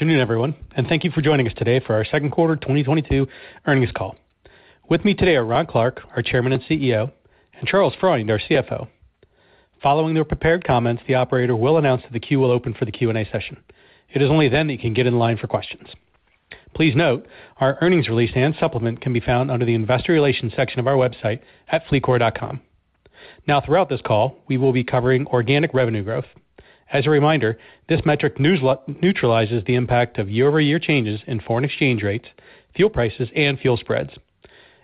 Good afternoon everyone, and thank you for joining us today for our second quarter 2022 earnings call. With me today are Ron Clarke, our Chairman and CEO, and Charles Freund, our CFO. Following their prepared comments, the operator will announce that the queue will open for the Q&A session. It is only then that you can get in line for questions. Please note our earnings release and supplement can be found under the investor relations section of our website at investor.fleetcor.com. Now, throughout this call, we will be covering organic revenue growth. As a reminder, this metric neutralizes the impact of year-over-year changes in foreign exchange rates, fuel prices and fuel spreads.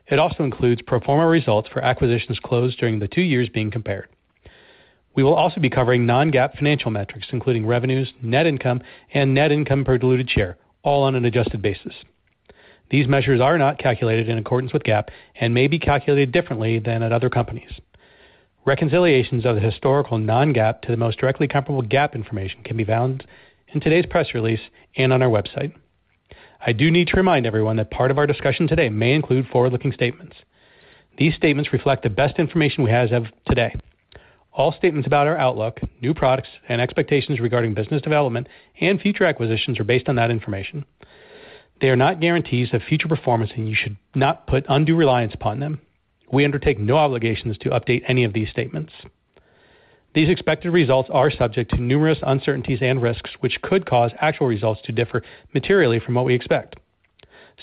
It also includes pro forma results for acquisitions closed during the two years being compared. We will also be covering non-GAAP financial metrics, including revenues, net income and net income per diluted share, all on an adjusted basis. These measures are not calculated in accordance with GAAP and may be calculated differently than at other companies. Reconciliations of the historical non-GAAP to the most directly comparable GAAP information can be found in today's press release and on our website. I do need to remind everyone that part of our discussion today may include forward-looking statements. These statements reflect the best information we have as of today. All statements about our outlook, new products and expectations regarding business development and future acquisitions are based on that information. They are not guarantees of future performance, and you should not put undue reliance upon them. We undertake no obligations to update any of these statements. These expected results are subject to numerous uncertainties and risks, which could cause actual results to differ materially from what we expect.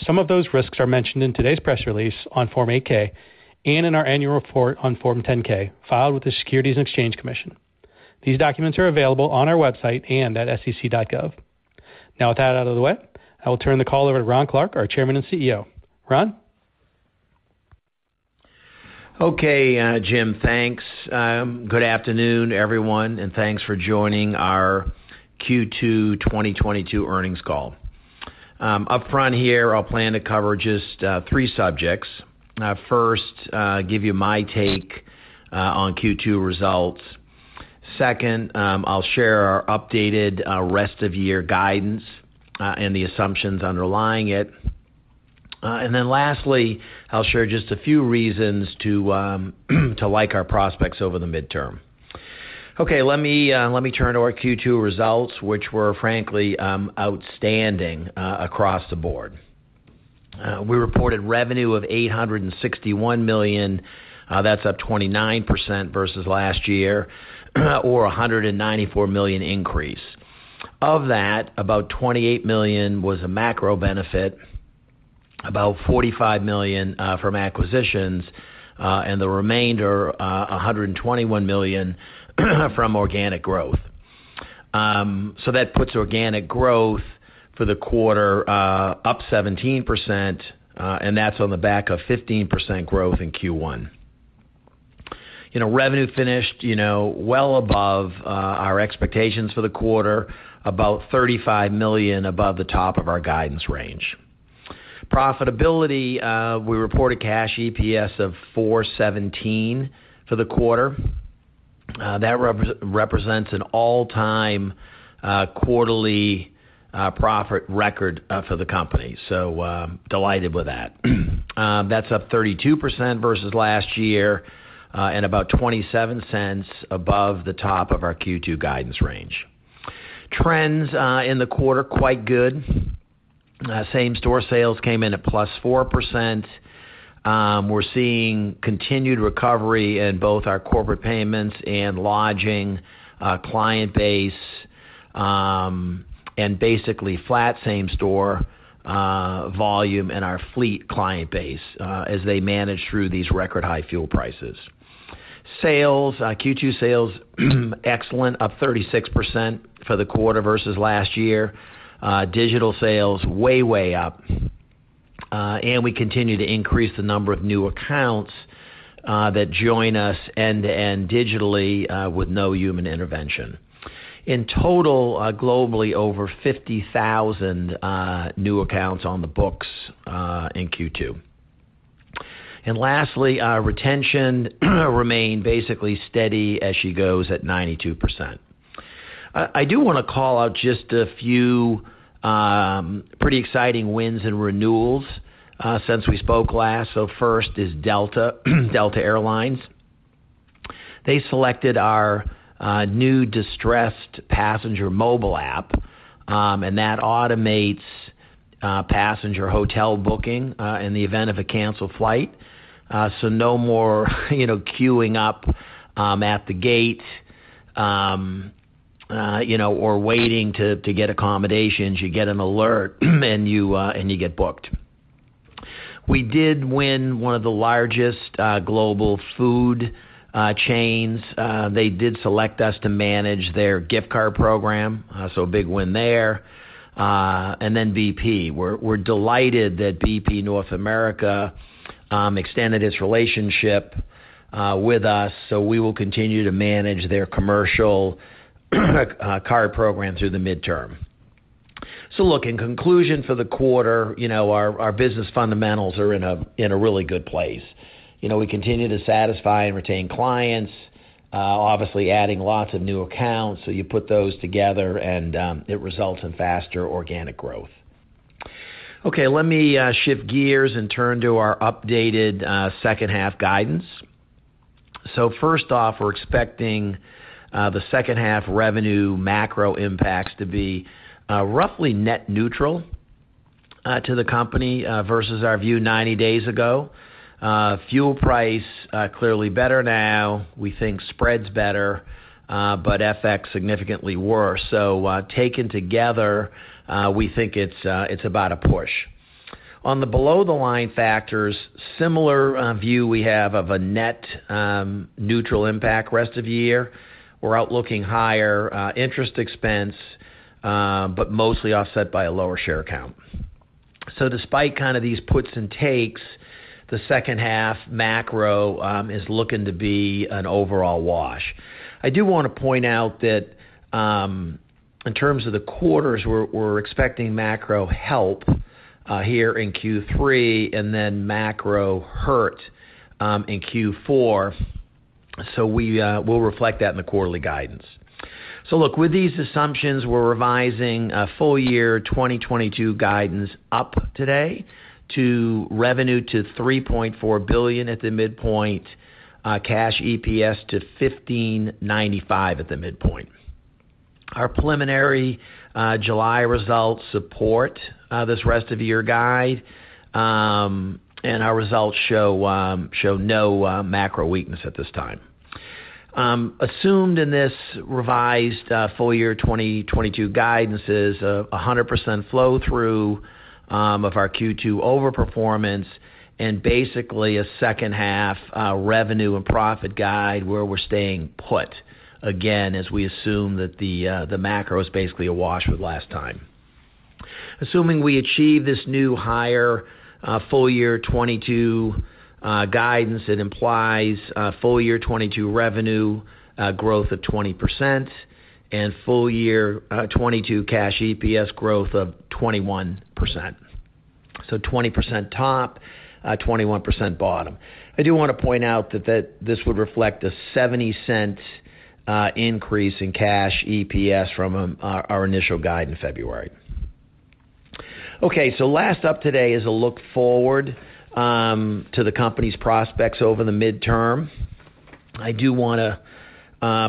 Some of those risks are mentioned in today's press release on Form 8-K and in our annual report on Form 10-K, filed with the Securities and Exchange Commission. These documents are available on our website and at sec.gov. Now, with that out of the way, I will turn the call over to Ron Clarke, our Chairman and CEO. Ron? Okay, Jim. Thanks. Good afternoon, everyone, and thanks for joining our Q2 2022 earnings call. Upfront here I'll plan to cover just three subjects. First, give you my take on Q2 results. Second, I'll share our updated rest of year guidance and the assumptions underlying it. Then lastly, I'll share just a few reasons to like our prospects over the midterm. Okay. Let me turn to our Q2 results, which were frankly outstanding across the board. We reported revenue of $861 million, that's up 29% versus last year or a $194 million increase. Of that, about $28 million was a macro benefit, about $45 million from acquisitions, and the remainder, a $121 million from organic growth. So that puts organic growth for the quarter up 17%, and that's on the back of 15% growth in Q1. You know, revenue finished, you know, well above our expectations for the quarter, about $35 million above the top of our guidance range. Profitability, we reported cash EPS of $4.17 for the quarter. That represents an all-time quarterly profit record for the company. So delighted with that. That's up 32% versus last year, and about $0.27 above the top of our Q2 guidance range. Trends in the quarter, quite good. Same-store sales came in at plus 4%. We're seeing continued recovery in both our corporate payments and lodging client base, and basically flat same-store volume in our fleet client base, as they manage through these record high fuel prices. Q2 sales, excellent, up 36% for the quarter versus last year. Digital sales way up. We continue to increase the number of new accounts that join us end-to-end digitally, with no human intervention. In total, globally, over 50,000 new accounts on the books in Q2. And lastly, our retention remained basically steady as she goes at 92%. I do wanna call out just a few pretty exciting wins and renewals since we spoke last. First is Delta Air Lines. They selected our new distressed passenger mobile app, and that automates passenger hotel booking in the event of a canceled flight. So no more, you know, queuing up at the gate, you know, or waiting to get accommodations. You get an alert and you get booked. We did win one of the largest global food chains. They did select us to manage their gift card program, so a big win there. And then BP. We're delighted that BP North America extended its relationship with us, so we will continue to manage their commercial card program through the midterm. Look, in conclusion for the quarter, you know, our business fundamentals are in a really good place. You know, we continue to satisfy and retain clients, obviously adding lots of new accounts. You put those together and, it results in faster organic growth. Okay, let me shift gears and turn to our updated second half guidance. First off, we're expecting the second half revenue macro impacts to be roughly net neutral to the company versus our view 90 days ago. Fuel price clearly better now. We think spreads better, but FX significantly worse. Taken together, we think it's about a push. On the below the line factors, similar view we have of a net neutral impact rest of year. We're out looking higher interest expense, but mostly offset by a lower share count. Despite kind of these puts and takes, the second half macro is looking to be an overall wash. I do wanna point out that in terms of the quarters we're expecting macro help here in Q3 and then macro hurt in Q4. So we'll reflect that in the quarterly guidance. Look, with these assumptions, we're revising full year 2022 guidance up today to revenue to $3.4 billion at the midpoint, cash EPS to $15.95 at the midpoint. Our preliminary July results support this rest of year guide, and our results show no macro weakness at this time. Assumed in this revised full year 2022 guidance is 100% flow through of our Q2 overperformance and basically a second half revenue and profit guide where we're staying put, again, as we assume that the macro is basically a wash with last time. Assuming we achieve this new higher full year 2022 guidance, it implies a full year 2022 revenue growth of 20% and full year 2022 cash EPS growth of 21%. So 20% top, at 21% bottom. I do wanna point out that this would reflect a $0.70 increase in cash EPS from our initial guide in February. Okay, so last up today is a look forward to the company's prospects over the midterm. I do wanna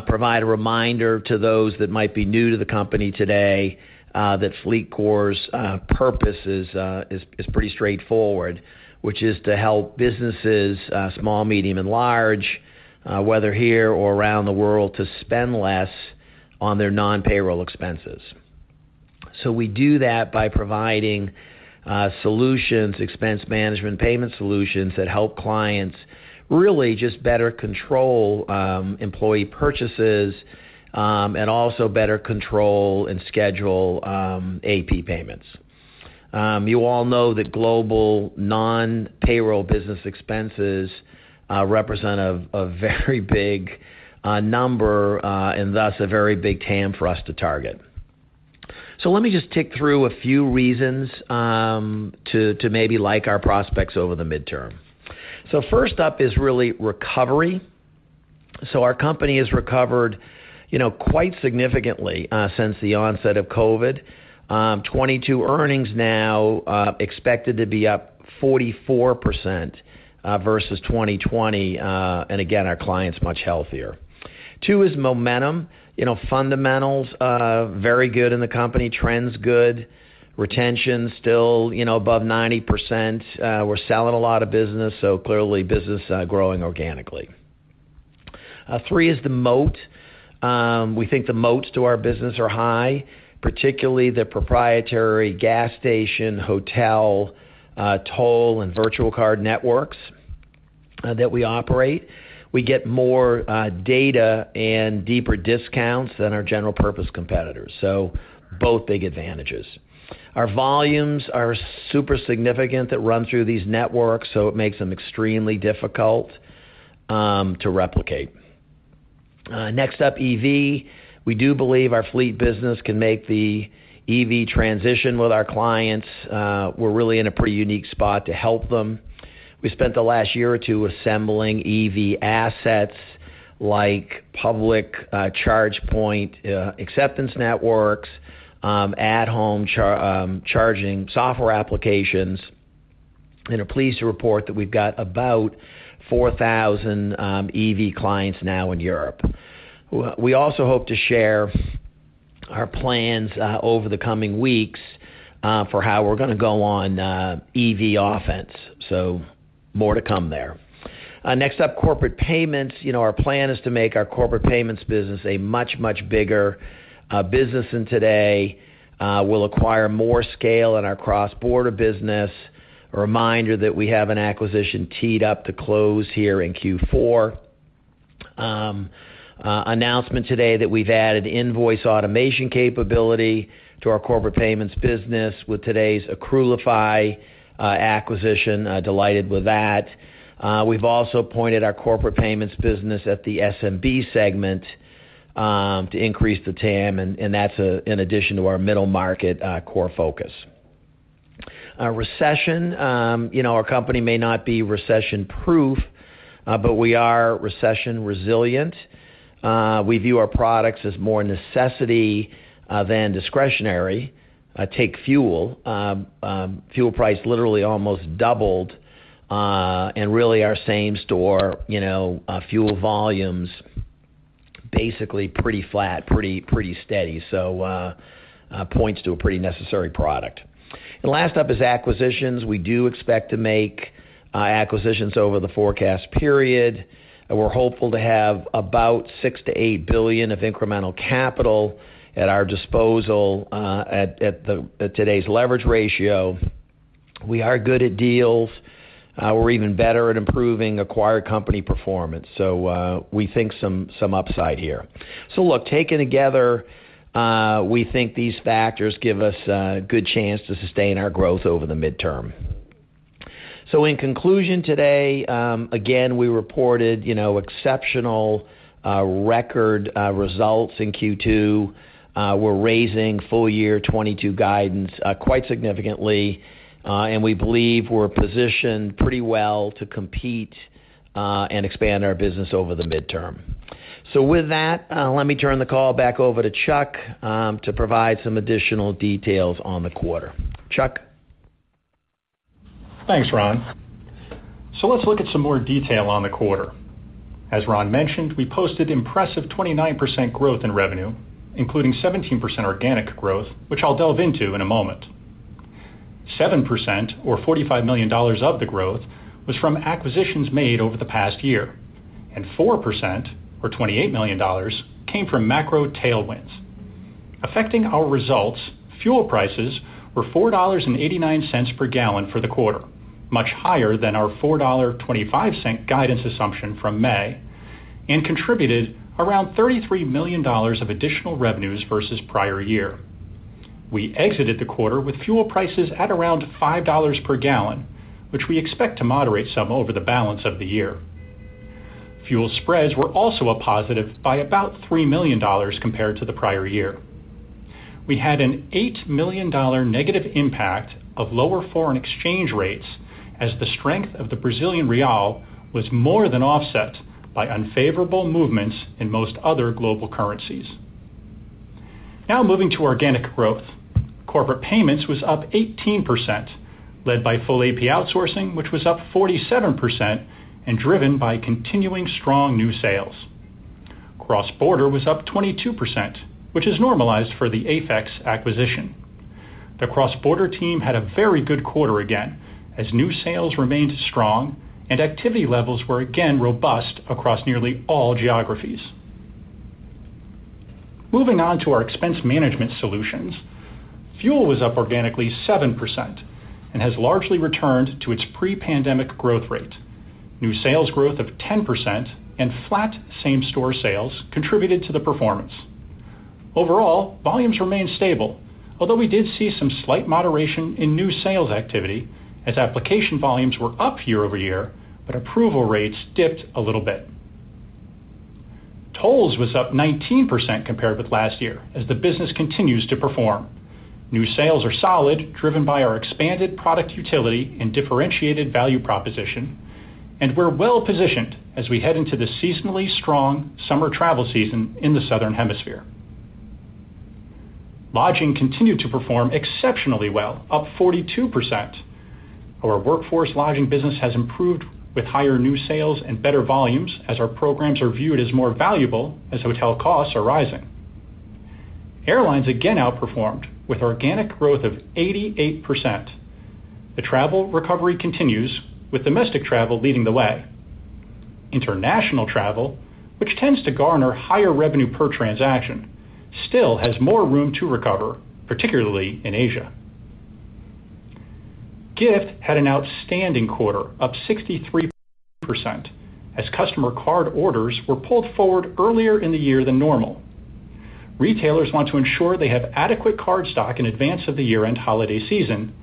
provide a reminder to those that might be new to the company today, that Corpay's purpose is pretty straightforward, which is to help businesses, small, medium, and large, whether here or around the world, to spend less on their non-payroll expenses. So we do that by providing solutions, expense management payment solutions that help clients really just better control employee purchases, and also better control and schedule AP payments. You all know that global non-payroll business expenses represent a very big number, and thus a very big TAM for us to target. Let me just tick through a few reasons to maybe like our prospects over the midterm. First up is really recovery. So our company has recovered, you know, quite significantly since the onset of COVID. 2022 earnings now expected to be up 44% versus 2020, and again, our clients are much healthier. Two is momentum. You know, fundamentals very good in the company. Trends good. Retention still, you know, above 90%. We're selling a lot of business, so clearly business growing organically. Three is the moat. We think the moats to our business are high, particularly the proprietary gas station, hotel, toll, and virtual card networks that we operate. We get more data and deeper discounts than our general purpose competitors, so both big advantages. Our volumes are super significant that run through these networks, so it makes them extremely difficult to replicate. Next up, EV. We do believe our fleet business can make the EV transition with our clients. We're really in a pretty unique spot to help them. We spent the last year or two assembling EV assets like public charge point acceptance networks, at-home charging software applications, and are pleased to report that we've got about 4,000 EV clients now in Europe. We also hope to share our plans over the coming weeks for how we're gonna go on EV offense. More to come there. Next up, corporate payments. You know, our plan is to make our corporate payments business a much, much bigger business than today. We'll acquire more scale in our cross-border business. A reminder that we have an acquisition teed up to close here in Q4. Announcement today that we've added invoice automation capability to our corporate payments business with today's Accrualify acquisition. Delighted with that. We've also pointed our corporate payments business at the SMB segment to increase the TAM and that's an addition to our middle market core focus. Recession, you know, our company may not be recession-proof, but we are recession resilient. We view our products as more necessary than discretionary. Take fuel. Fuel price literally almost doubled, and really our same store, you know, fuel volumes basically pretty flat, pretty steady. Points to a pretty necessary product. Last up is acquisitions. We do expect to make acquisitions over the forecast period, and we're hopeful to have about $6 billion to $8 billion of incremental capital at our disposal, at today's leverage ratio. We are good at deals. We're even better at improving acquired company performance. So we think some upside here. Look, taken together, we think these factors give us a good chance to sustain our growth over the midterm. In conclusion today, again, we reported, you know, exceptional record results in Q2. We're raising full year 2022 guidance quite significantly. We believe we're positioned pretty well to compete and expand our business over the midterm. So with that, let me turn the call back over to Chuck to provide some additional details on the quarter. Chuck? Thanks, Ron. So let's look at some more detail on the quarter. As Ron mentioned, we posted impressive 29% growth in revenue, including 17% organic growth, which I'll delve into in a moment. 7% or $45 million of the growth was from acquisitions made over the past year, and 4% or $28 million came from macro tailwinds. Affecting our results, fuel prices were $4.89 per gallon for the quarter, much higher than our $4.25 guidance assumption from May, and contributed around $33 million of additional revenues versus prior year. We exited the quarter with fuel prices at around $5 per gallon, which we expect to moderate some over the balance of the year. Fuel spreads were also a positive by about $3 million compared to the prior year. We had an $8 million negative impact of lower foreign exchange rates as the strength of the Brazilian real was more than offset by unfavorable movements in most other global currencies. Now moving to organic growth. Corporate payments was up 18%, led by full AP outsourcing, which was up 47% and driven by continuing strong new sales. Cross-border was up 22%, which is normalized for the AFEX acquisition. The cross-border team had a very good quarter again, as new sales remained strong and activity levels were again robust across nearly all geographies. Moving on to our expense management solutions. Fuel was up organically 7% and has largely returned to its pre-pandemic growth rate. New sales growth of 10% and flat same store sales contributed to the performance. Overall, volumes remained stable, although we did see some slight moderation in new sales activity as application volumes were up year-over-year, but approval rates dipped a little bit. Tolls was up 19% compared with last year as the business continues to perform. New sales are solid, driven by our expanded product utility and differentiated value proposition, and we're well positioned as we head into the seasonally strong summer travel season in the Southern Hemisphere. Lodging continued to perform exceptionally well, up 42%. Our workforce lodging business has improved with higher new sales and better volumes as our programs are viewed as more valuable as hotel costs are rising. Airlines again outperformed with organic growth of 88%. The travel recovery continues with domestic travel leading the way. International travel, which tends to garner higher revenue per transaction, still has more room to recover, particularly in Asia. Gift had an outstanding quarter, up 63%, as customer card orders were pulled forward earlier in the year than normal. Retailers want to ensure they have adequate card stock in advance of the year-end holiday season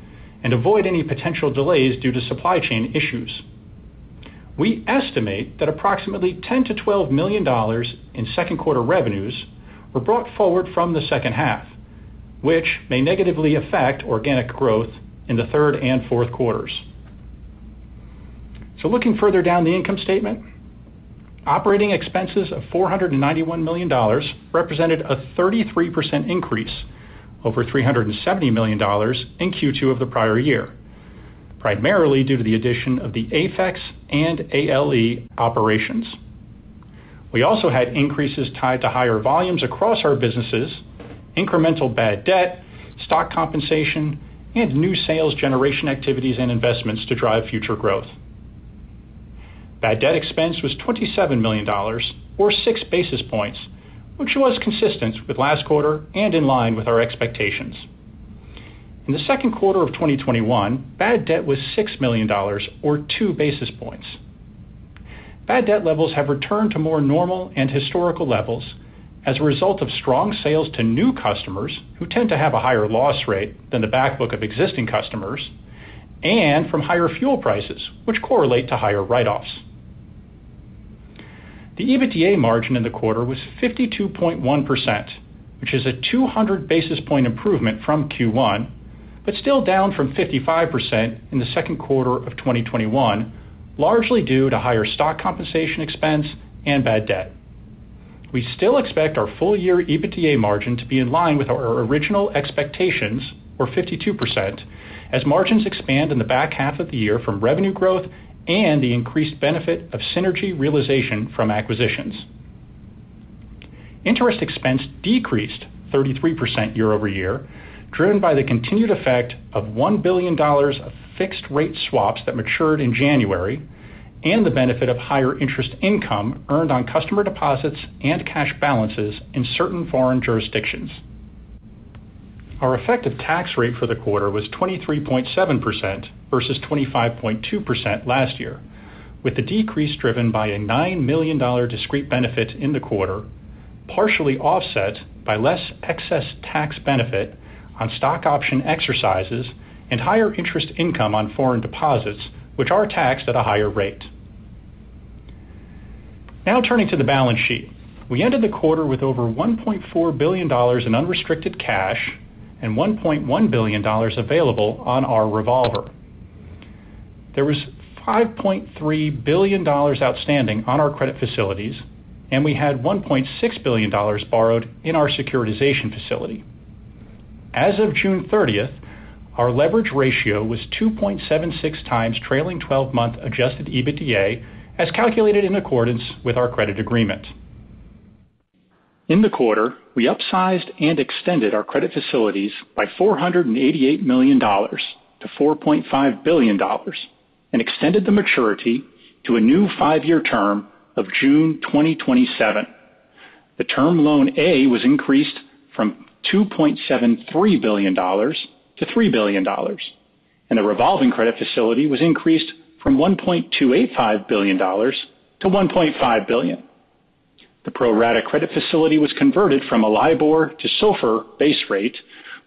and avoid any potential delays due to supply chain issues. We estimate that approximately $10-$12 million in second quarter revenues were brought forward from the second half, which may negatively affect organic growth in the third and fourth quarters. So looking further down the income statement, operating expenses of $491 million represented a 33% increase over $370 million in Q2 of the prior year, primarily due to the addition of the APEX and ALE operations. We also had increases tied to higher volumes across our businesses, incremental bad debt, stock compensation, and new sales generation activities and investments to drive future growth. Bad debt expense was $27 million or six basis points, which was consistent with last quarter and in line with our expectations. In the second quarter of 2021, bad debt was $6 million or two basis points. Bad debt levels have returned to more normal and historical levels as a result of strong sales to new customers who tend to have a higher loss rate than the back book of existing customers, and from higher fuel prices, which correlate to higher write-offs. The EBITDA margin in the quarter was 52.1%, which is a 200 basis point improvement from Q1 but still down from 55% in the second quarter of 2021, largely due to higher stock compensation expense and bad debt. We still expect our full year EBITDA margin to be in line with our original expectations or 52% as margins expand in the back half of the year from revenue growth and the increased benefit of synergy realization from acquisitions. Interest expense decreased 33% year-over-year, driven by the continued effect of $1 billion of fixed rate swaps that matured in January and the benefit of higher interest income earned on customer deposits and cash balances in certain foreign jurisdictions. Our effective tax rate for the quarter was 23.7% versus 25.2% last year, with the decrease driven by a $9 million discrete benefit in the quarter, partially offset by less excess tax benefit on stock option exercises and higher interest income on foreign deposits, which are taxed at a higher rate. Now turning to the balance sheet. We ended the quarter with over $1.4 billion in unrestricted cash and $1.1 billion available on our revolver. There was $5.3 billion outstanding on our credit facilities, and we had $1.6 billion borrowed in our securitization facility. As of June 30th, our leverage ratio was 2.76 times trailing 12 month adjusted EBITDA, as calculated in accordance with our credit agreement. In the quarter, we upsized and extended our credit facilities by $488 million to $4.5 billion and extended the maturity to a new five-year term of June 2027. The Term Loan A was increased from $2.73 billion to $3 billion, and the revolving credit facility was increased from $1.285 billion to $1.5 billion. The pro rata credit facility was converted from a LIBOR to SOFR base rate,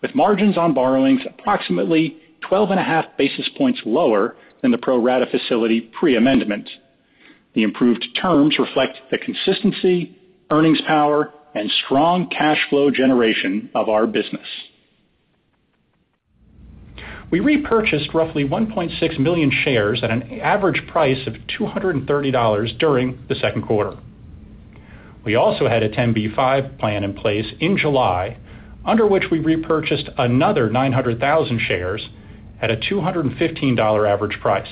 with margins on borrowings approximately 12.5 basis points lower than the pro rata facility pre-amendment. The improved terms reflect the consistency, earnings power, and strong cash flow generation of our business. We repurchased roughly 1.6 million shares at an average price of $230 during the second quarter. We also had a 10b5-1 plan in place in July, under which we repurchased another 900,000 shares at a $215 average price.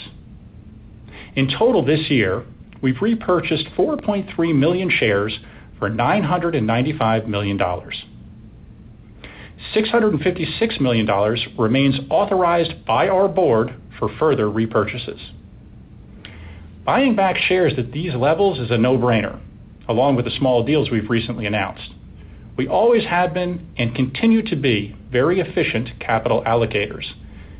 In total this year, we've repurchased 4.3 million shares for $995 million. $656 million remains authorized by our board for further repurchases. Buying back shares at these levels is a no-brainer, along with the small deals we've recently announced. We always have been and continue to be very efficient capital allocators,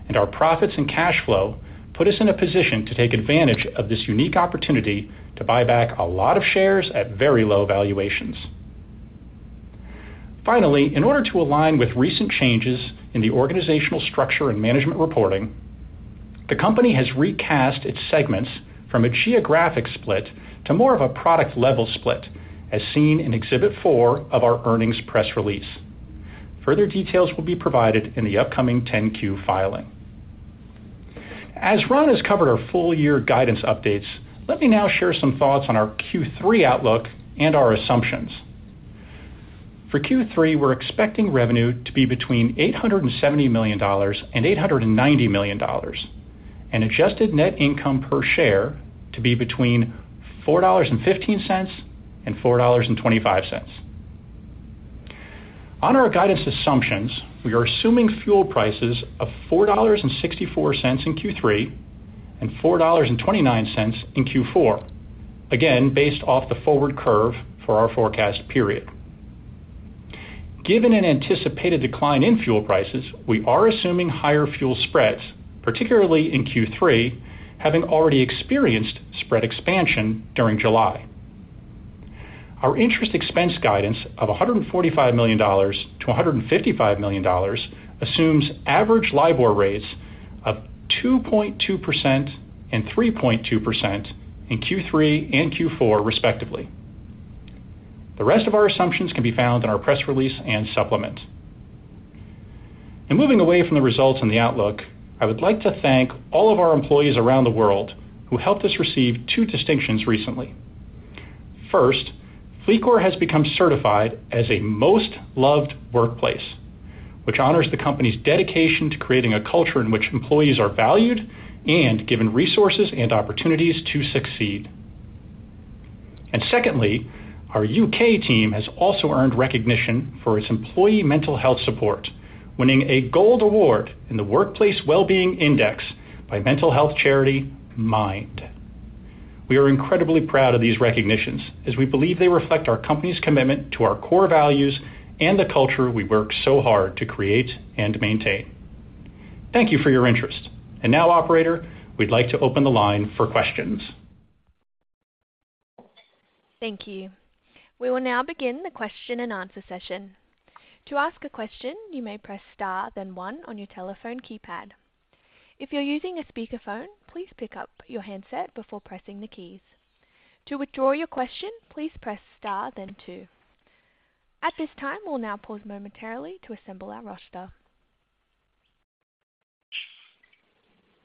and our profits and cash flow put us in a position to take advantage of this unique opportunity to buy back a lot of shares at very low valuations. Finally, in order to align with recent changes in the organizational structure and management reporting, the company has recast its segments from a geographic split to more of a product level split, as seen in exhibit 4 of our earnings press release. Further details will be provided in the upcoming 10-Q filing. As Ron has covered our full year guidance updates, let me now share some thoughts on our Q3 outlook and our assumptions. For Q3, we're expecting revenue to be between $870 million and $890 million, and adjusted net income per share to be between $4.15 and $4.25. On our guidance assumptions, we are assuming fuel prices of $4.64 in Q3 and $4.29 in Q4, again, based off the forward curve for our forecast period. Given an anticipated decline in fuel prices, we are assuming higher fuel spreads, particularly in Q3, having already experienced spread expansion during July. Our interest expense guidance of $145 million to $155 million assumes average LIBOR rates of 2.2% and 3.2% in Q3 and Q4 respectively. The rest of our assumptions can be found in our press release and supplement. Moving away from the results and the outlook, I would like to thank all of our employees around the world who helped us receive two distinctions recently. First, Corpay has become certified as a Most Loved Workplace, which honors the company's dedication to creating a culture in which employees are valued and given resources and opportunities to succeed. And secondly, our UK team has also earned recognition for its employee mental health support, winning a Gold Award in the Workplace Wellbeing Index by mental health charity Mind. We are incredibly proud of these recognitions as we believe they reflect our company's commitment to our core values and the culture we work so hard to create and maintain. Thank you for your interest. Now, operator, we'd like to open the line for questions. Thank you. We will now begin the question and answer session. To ask a question, you may press star then one on your telephone keypad. If you're using a speakerphone, please pick up your handset before pressing the keys. To withdraw your question, please press star then two. At this time, we'll now pause momentarily to assemble our roster.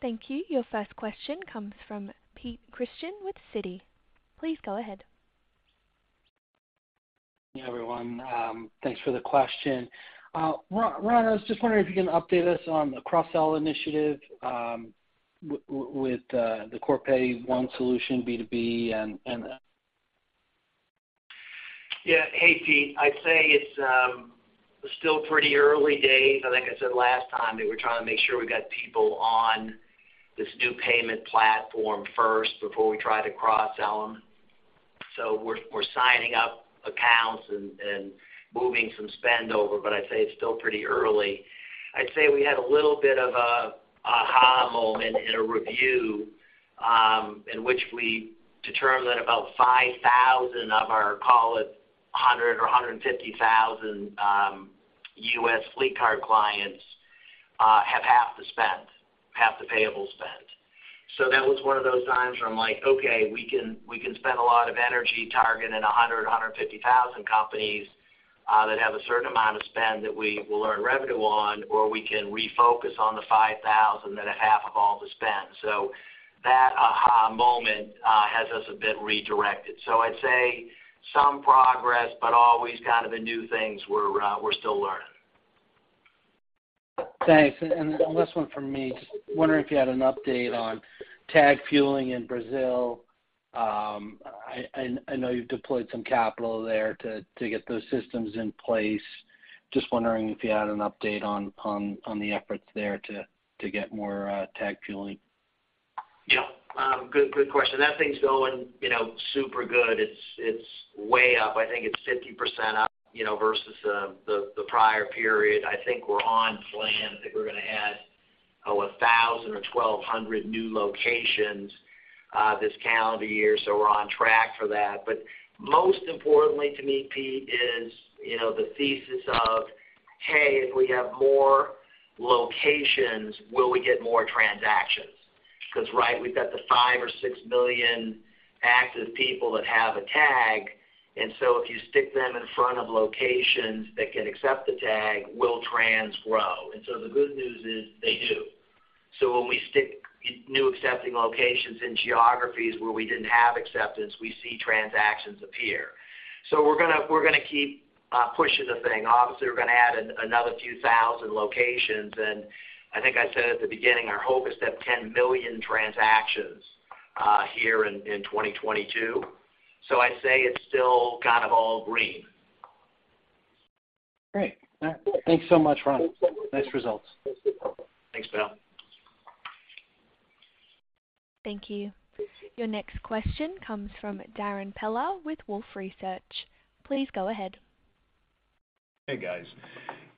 Thank you. Your first question comes from Peter Christiansen with Citi. Please go ahead. Yeah, everyone. Thanks for the question. Ron, I was just wondering if you can update us on the cross-sell initiative, with the Corpay One solution B2B and. Yeah. Hey, Pete. I'd say it's still pretty early days. I think I said last time that we're trying to make sure we got people on this new payment platform first before we try to cross-sell them. So we're signing up accounts and moving some spend over, but I'd say it's still pretty early. I'd say we had a little bit of an aha moment in a review, in which we determined that about 5,000 of our, call it 100 or 150,000, U.S. fleet card clients, have half the spend, half the payable spend. that was one of those times where I'm like, okay, we can spend a lot of energy targeting 150,000 companies that have a certain amount of spend that we will earn revenue on, or we can refocus on the 5,000 that have half of all the spend. That aha moment has us a bit redirected. I'd say some progress, but always kind of the new things we're still learning. Thanks. Last one from me. Just wondering if you had an update on tag fueling in Brazil. I know you've deployed some capital there to get those systems in place. Just wondering if you had an update on the efforts there to get more tag fueling. Yeah. Good question. That thing's going, you know, super good. It's way up. I think it's 50% up, you know, versus the prior period. I think we're on plan. I think we're gonna add, oh, 1,000 or 1,200 new locations this calendar year, so we're on track for that. But most importantly to me, Pete, is, you know, the thesis of, hey, if we have more locations, will we get more transactions? 'Cause right, we've got the 5 million or 6 million active people that have a tag, and so if you stick them in front of locations that can accept the tag, will trans grow. The good news is they do. When we stick new accepting locations in geographies where we didn't have acceptance, we see transactions appear. We're gonna keep pushing the thing. Obviously, we're gonna add another few thousand locations. And I think I said at the beginning, our hope is to have 10 million transactions here in 2022. So I'd say it's still kind of all green. Great. All right. Thanks so much, Ron. Nice results. Thanks, pal. Thank you. Your next question comes from Darrin Peller with Wolfe Research. Please go ahead. Hey, guys.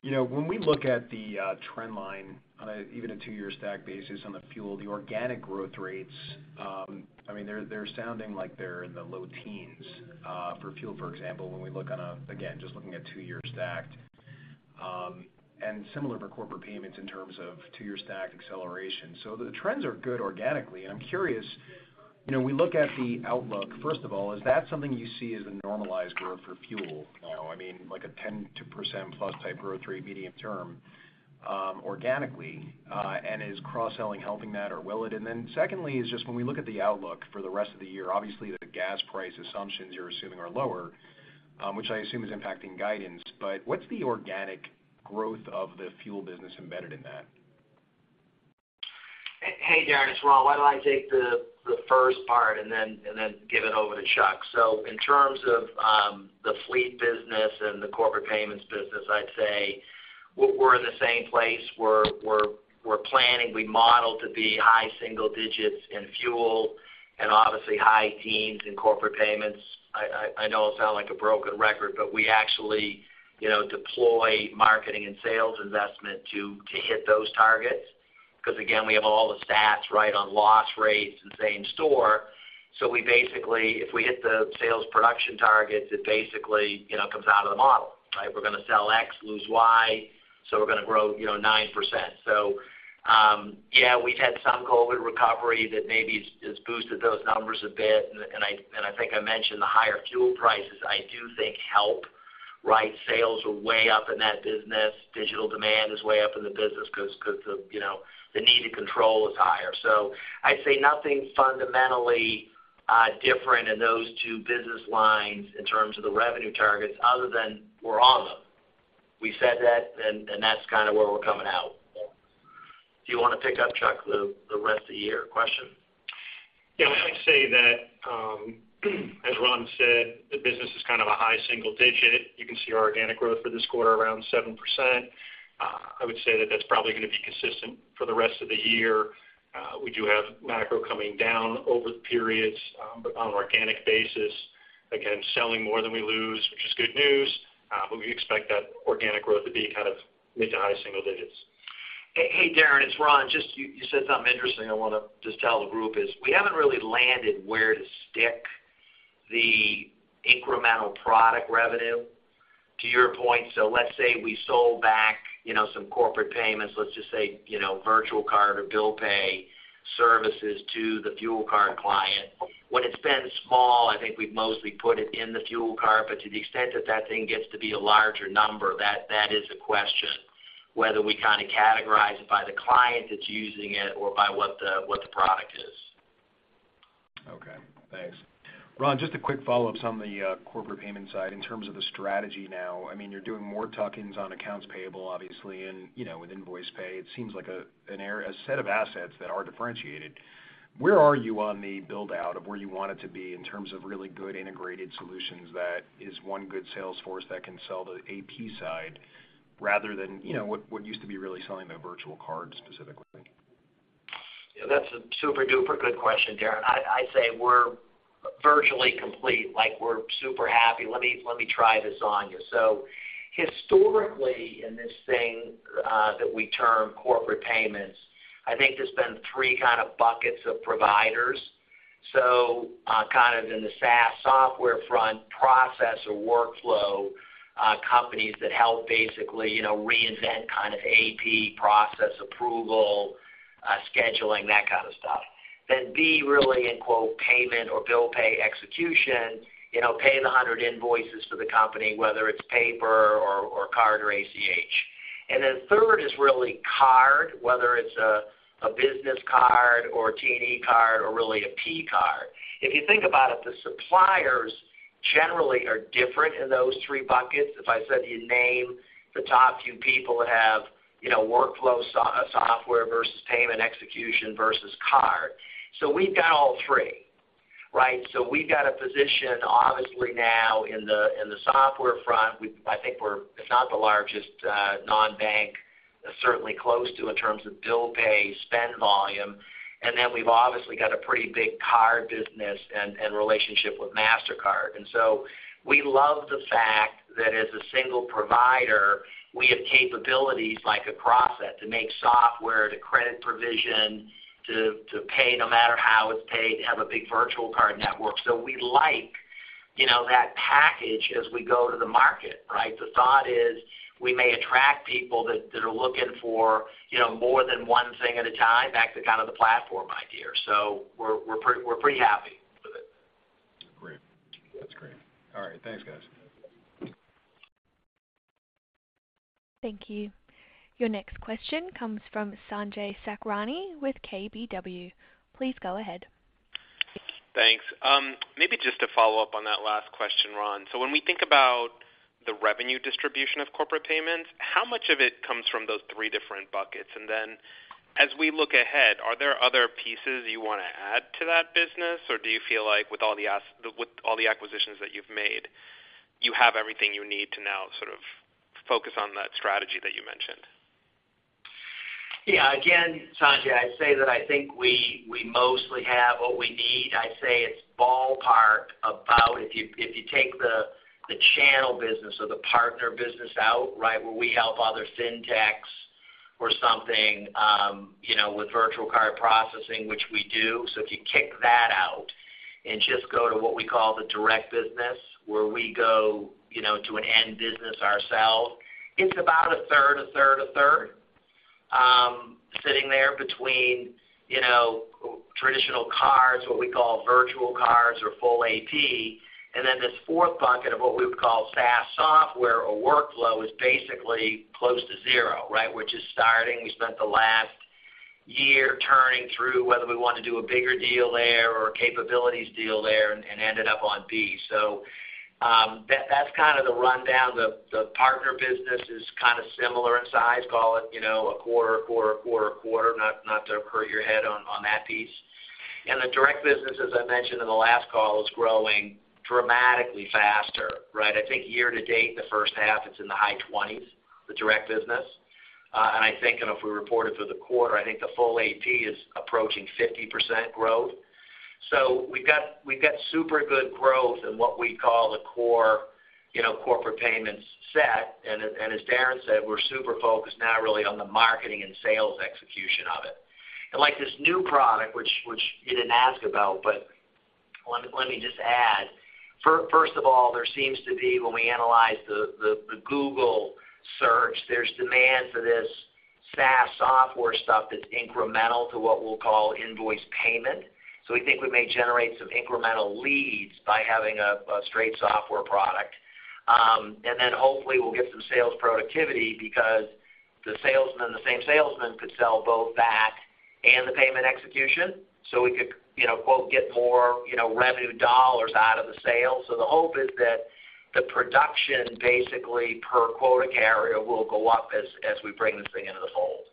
You know, when we look at the trend line on an even two-year stack basis on the fuel, the organic growth rates, I mean, they're sounding like they're in the low teens for fuel, for example, when we look on a, again, just looking at two-year stacked, and similar for corporate payments in terms of two-year stacked acceleration. The trends are good organically, and I'm curious, you know, when we look at the outlook, first of all, is that something you see as a normalized growth for fuel now? I mean, like a 10% plus type growth rate medium term, organically, and is cross-selling helping that, or will it? And then secondly, is just when we look at the outlook for the rest of the year, obviously, the gas price assumptions you're assuming are lower, which I assume is impacting guidance, but what's the organic growth of the fuel business embedded in that? Hey, Darrin, it's Ron. Why don't I take the first part and then give it over to Chuck? In terms of the fleet business and the corporate payments business, I'd say we're in the same place. We're planning, we model to be high single digits in fuel and obviously high teens in corporate payments. I know I sound like a broken record, but we actually deploy marketing and sales investment to hit those targets. Because again, we have all the stats, right, on loss rates and same store. So we basically, if we hit the sales production targets, it basically comes out of the model, right? We're gonna sell X, lose Y, so we're gonna grow 9%. Yeah, we've had some COVID recovery that maybe has boosted those numbers a bit, and I think I mentioned the higher fuel prices I do think help, right? Sales are way up in that business. Digital demand is way up in the business because the, you know, the need to control is higher. I'd say nothing fundamentally different in those two business lines in terms of the revenue targets other than we're on them. We said that and that's kind of where we're coming out. Do you wanna pick up, Chuck, the rest of the year question? Yeah. I'd say that, as Ron said, the business is kind of a high single digit. You can see our organic growth for this quarter around 7%. I would say that that's probably gonna be consistent for the rest of the year. We do have macro coming down over the periods, but on an organic basis, again, selling more than we lose, which is good news, but we expect that organic growth to be kind of mid to high single digits. Hey, Darrin, it's Ron. Just you said something interesting I wanna just tell the group is we haven't really landed where to stick the incremental product revenue to your point. So let's say we sold back, you know, some corporate payments, let's just say, you know, virtual card or bill pay services to the fleet card client. When it's been small, I think we've mostly put it in the fleet card. But to the extent that that thing gets to be a larger number, that is a question, whether we kind of categorize it by the client that's using it or by what the product is. Okay. Thanks. Ron, just a quick follow-up on the corporate payment side in terms of the strategy now. I mean, you're doing more tuck-ins on accounts payable, obviously, and, you know, with invoice pay, it seems like a set of assets that are differentiated. Where are you on the build-out of where you want it to be in terms of really good integrated solutions that is one good sales force that can sell the AP side rather than, you know, what used to be really selling the virtual card specifically? Yeah, that's a super-duper good question, Darrin. I'd say we're virtually complete, like we're super happy. Let me try this on you. Historically, in this thing that we term corporate payments, I think there's been three kind of buckets of providers. Kind of in the SaaS software front, process or workflow, companies that help basically, you know, reinvent kind of AP process approval, scheduling, that kind of stuff. Then B, really in the payment or bill pay execution, you know, pay the 100 invoices for the company, whether it's paper or card or ACH. Then third is really card, whether it's a business card or a T&E card or really a P card. If you think about it, the suppliers generally are different in those three buckets. If I said you name the top few people that have, you know, workflow software versus payment execution versus card. We've got all three, right? So we've got a position, obviously, now in the software front. I think we're, if not the largest, non-bank, certainly close to in terms of bill pay spend volume. Then we've obviously got a pretty big card business and relationship with Mastercard. We love the fact that as a single provider, we have capabilities like a process to make software, to credit provision, to pay no matter how it's paid, to have a big virtual card network. We like, you know, that package as we go to the market, right? The thought is we may attract people that are looking for, you know, more than one thing at a time, back to kind of the platform idea. We're pretty happy with it. Great. That's great. All right. Thanks, guys. Thank you. Your next question comes from Sanjay Sakhrani with KBW. Please go ahead. Thanks. Maybe just to follow up on that last question, Ron. When we think about the revenue distribution of corporate payments, how much of it comes from those three different buckets? And then, as we look ahead, are there other pieces you wanna add to that business? Or do you feel like with all the acquisitions that you've made, you have everything you need to now sort of focus on that strategy that you mentioned? Yeah. Again, Sanjay, I'd say that I think we mostly have what we need. I'd say it's ballpark about if you take the channel business or the partner business out, right, where we help other FinTechs or something, you know, with virtual card processing, which we do. If you kick that out and just go to what we call the direct business, where we go, you know, to an end business ourselves, it's about a third, a third sitting there between, you know, traditional cards, what we call virtual cards or full AP. Then this fourth bucket of what we would call SaaS software or workflow is basically close to zero, right, which is starting. We spent the last year working through whether we want to do a bigger deal there or a capabilities deal there and ended up on B. That's kind of the rundown. The partner business is kind of similar in size. Call it, you know, a quarter. Not to hurt your head on that piece. The direct business, as I mentioned in the last call, is growing dramatically faster, right? I think year to date, the first half, it's in the high 20s, the direct business. I think if we report it for the quarter, the full AP is approaching 50% growth. We've got super good growth in what we call the core, you know, corporate payments set. As Darrin said, we're super focused now really on the marketing and sales execution of it. Like this new product, which you didn't ask about, but let me just add. First of all, there seems to be, when we analyze the Google search, there's demand for this SaaS software stuff that's incremental to what we'll call invoice payment. We think we may generate some incremental leads by having a straight software product. Then hopefully we'll get some sales productivity because the same salesman could sell both that and the payment execution. So we could, you know, quote, get more, you know, revenue dollars out of the sale. The hope is that the productivity basically per quota carrier will go up as we bring this thing into the fold.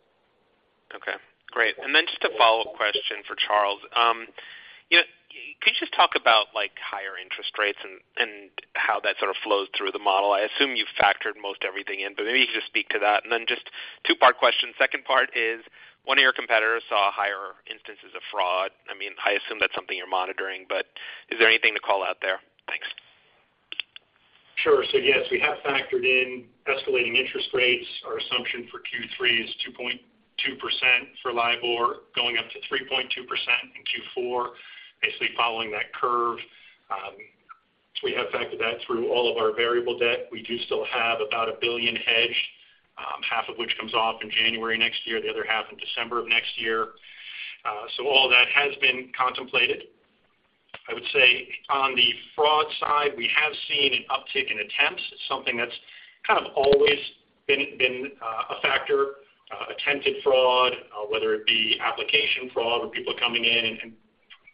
Okay, great. Then just a follow-up question for Charles. You know, could you just talk about like higher interest rates and how that sort of flows through the model? I assume you've factored most everything in, but maybe you could just speak to that. Then just two-part question. Second part is, one of your competitors saw higher instances of fraud. I mean, I assume that's something you're monitoring, but is there anything to call out there? Yes, we have factored in escalating interest rates. Our assumption for Q3 is 2.2% for LIBOR, going up to 3.2% in Q4, basically following that curve. We have factored that through all of our variable debt. We do still have about $1 billion hedged, half of which comes off in January next year, the other half in December of next year. All that has been contemplated. I would say on the fraud side, we have seen an uptick in attempts. It's something that's kind of always been a factor, attempted fraud, whether it be application fraud or people coming in and,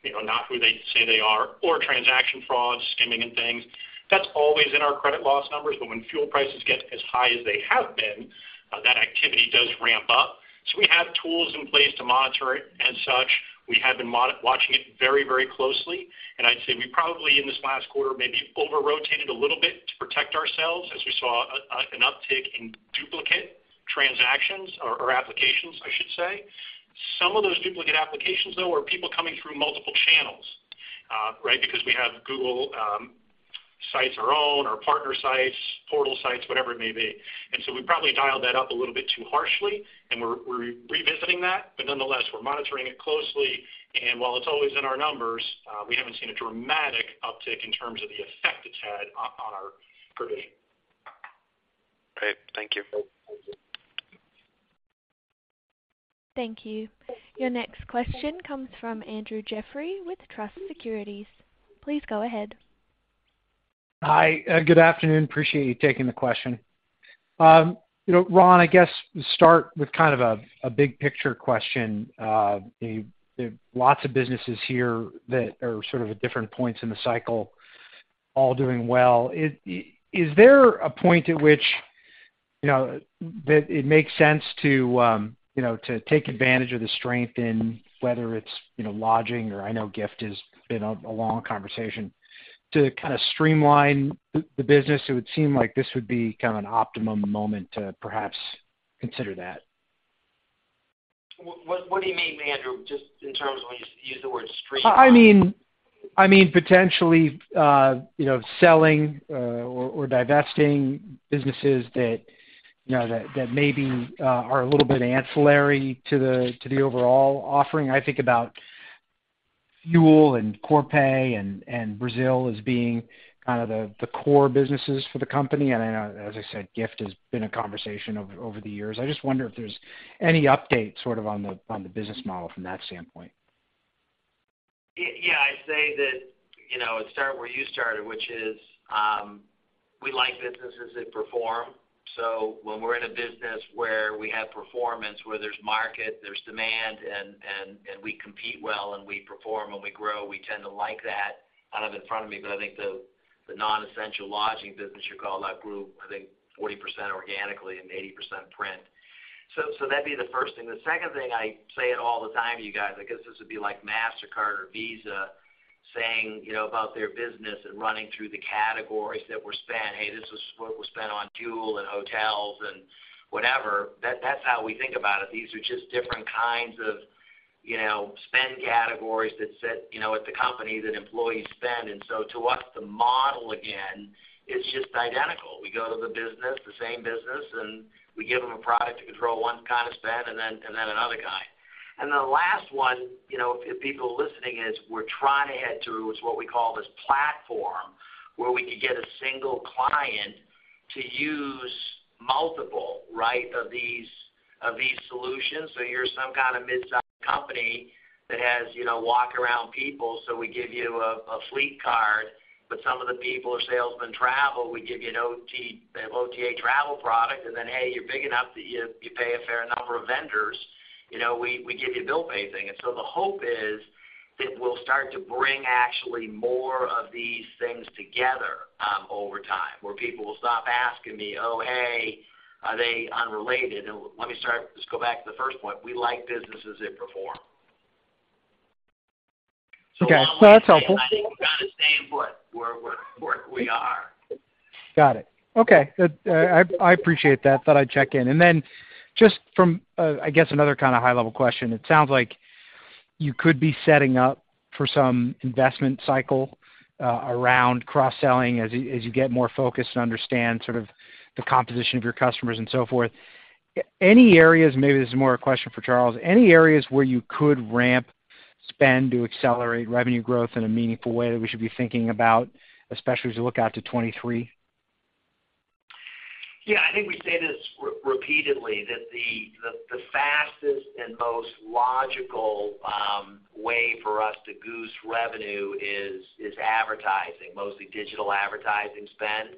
you know, not who they say they are or transaction fraud, skimming and things. That's always in our credit loss numbers. When fuel prices get as high as they have been, that activity does ramp up. We have tools in place to monitor it and such. We have been watching it very, very closely. I'd say we probably in this last quarter maybe over-rotated a little bit to protect ourselves as we saw an uptick in duplicate transactions or applications, I should say. Some of those duplicate applications, though, are people coming through multiple channels, right? Because we have Google sites, our own, our partner sites, portal sites, whatever it may be. We probably dialed that up a little bit too harshly, and we're revisiting that. Nonetheless, we're monitoring it closely. While it's always in our numbers, we haven't seen a dramatic uptick in terms of the effect it's had on our provision. Great. Thank you. Thank you. Your next question comes from Andrew Jeffrey with Truist Securities. Please go ahead. Hi. Good afternoon. Appreciate you taking the question. You know, Ron, I guess to start with kind of a big picture question. Lots of businesses here that are sort of at different points in the cycle all doing well. Is there a point at which, you know, that it makes sense to take advantage of the strength in whether it's, you know, lodging or I know gift has been a long conversation to kind of streamline the business? It would seem like this would be kind of an optimum moment to perhaps consider that. What do you mean, Andrew, just in terms when you use the word streamline? I mean, potentially, you know, selling or divesting businesses that, you know, that maybe are a little bit ancillary to the overall offering. I think about fuel and Corpay and Brazil as being kind of the core businesses for the company. I know, as I said, gift has been a conversation over the years. I just wonder if there's any update sort of on the business model from that standpoint. Yeah. I say that, you know, start where you started, which is, we like businesses that perform. So, when we're in a business where we have performance, where there's market, there's demand, and we compete well and we perform and we grow, we tend to like that. I don't have it in front of me, but I think the non-essential lodging business you call that grew, I think, 40% organically and 80% total. That'd be the first thing. The second thing, I say it all the time, you guys. I guess this would be like Mastercard or Visa saying, you know, about their business and running through the categories that were spent. Hey, this is what was spent on fuel and hotels and whatever. That's how we think about it. These are just different kinds of, you know, spend categories that sit, you know, at the company that employees spend. To us, the model, again, is just identical. We go to the business, the same business, and we give them a product to control one kind of spend and then another kind. The last one, you know, if people are listening is we're trying to head towards what we call this platform where we could get a single client to use multiple, right, of these solutions. You're some kind of midsize company that has, you know, walk-around people, so we give you a fleet card, but some of the people or salesmen travel, we give you an OTA, the OTA travel product, and then, hey, you're big enough that you pay a fair number of vendors. You know, we give you bill paying. The hope is that we'll start to bring actually more of these things together over time, where people will stop asking me, "Oh, hey, are they unrelated?" Just go back to the first point. We like businesses that perform. Okay. That's helpful. I think we're kind of staying put where we are. Got it. Okay. I appreciate that. Thought I'd check in. Then just from, I guess another kind of high level question, it sounds like you could be setting up for some investment cycle around cross-selling as you get more focused and understand sort of the composition of your customers and so forth. Any areas, maybe this is more a question for Charles, any areas where you could ramp spend to accelerate revenue growth in a meaningful way that we should be thinking about, especially as we look out to 2023? Yeah, I think we say this repeatedly, that the fastest and most logical way for us to goose revenue is advertising, mostly digital advertising spend.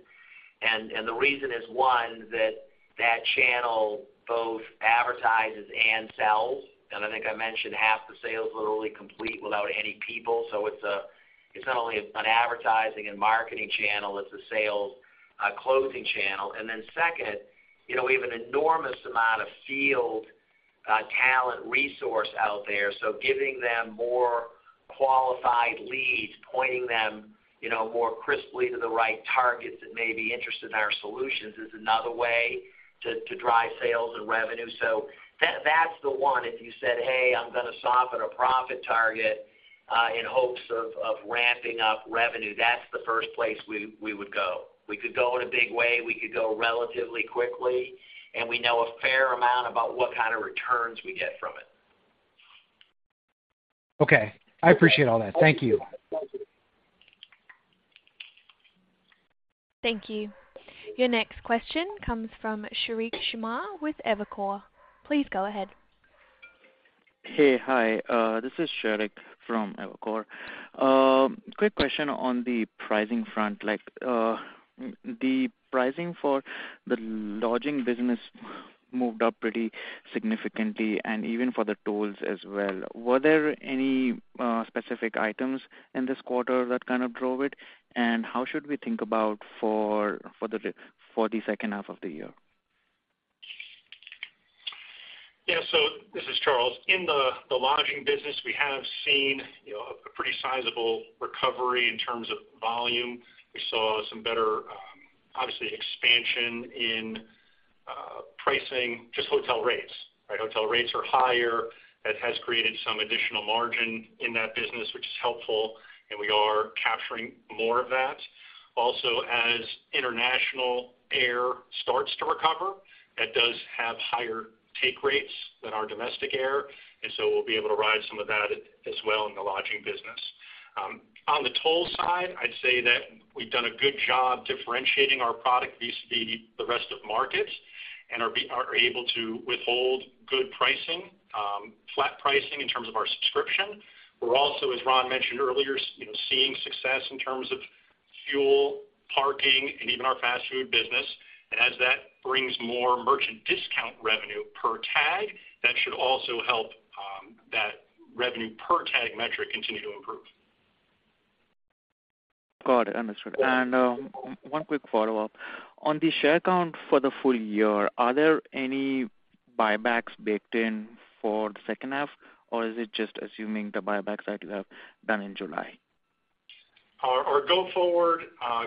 The reason is, one, that that channel both advertises and sells. I think I mentioned half the sales literally complete without any people. It's not only an advertising and marketing channel, it's a sales closing channel. Second, you know, we have an enormous amount of field talent resource out there. Giving them more qualified leads, pointing them, you know, more crisply to the right targets that may be interested in our solutions is another way to drive sales and revenue. That's the one, if you said, "Hey, I'm gonna soften a profit target in hopes of ramping up revenue," that's the first place we would go. We could go in a big way, we could go relatively quickly, and we know a fair amount about what kind of returns we get from it. Okay. I appreciate all that. Thank you. Thank you. Your next question comes from Sheriq Sumar with Evercore. Please go ahead. Hey, hi, this is Sheriq from Evercore. Quick question on the pricing front, the pricing for the lodging business moved up pretty significantly, and even for the tolls as well. Were there any specific items in this quarter that kind of drove it? How should we think about for the second half of the year? Yeah. So this is Charles. In the lodging business, we have seen, you know, a pretty sizable recovery in terms of volume. We saw some better obviously expansion in pricing, just hotel rates, right? Hotel rates are higher. That has created some additional margin in that business, which is helpful, and we are capturing more of that. Also, as international air starts to recover, that does have higher take rates than our domestic air, and so we'll be able to ride some of that as well in the lodging business. On the toll side, I'd say that we've done a good job differentiating our product vis-à-vis the rest of markets, and are able to withhold good pricing, flat pricing in terms of our subscription. We're also, as Ron mentioned earlier, you know, seeing success in terms of fuel, parking, and even our fast food business. As that brings more merchant discount revenue per tag, that should also help, that revenue per tag metric continue to improve. Got it, understood. One quick follow-up. On the share count for the full year, are there any buybacks baked in for the second half? Or is it just assuming the buybacks that you have done in July? Our go forward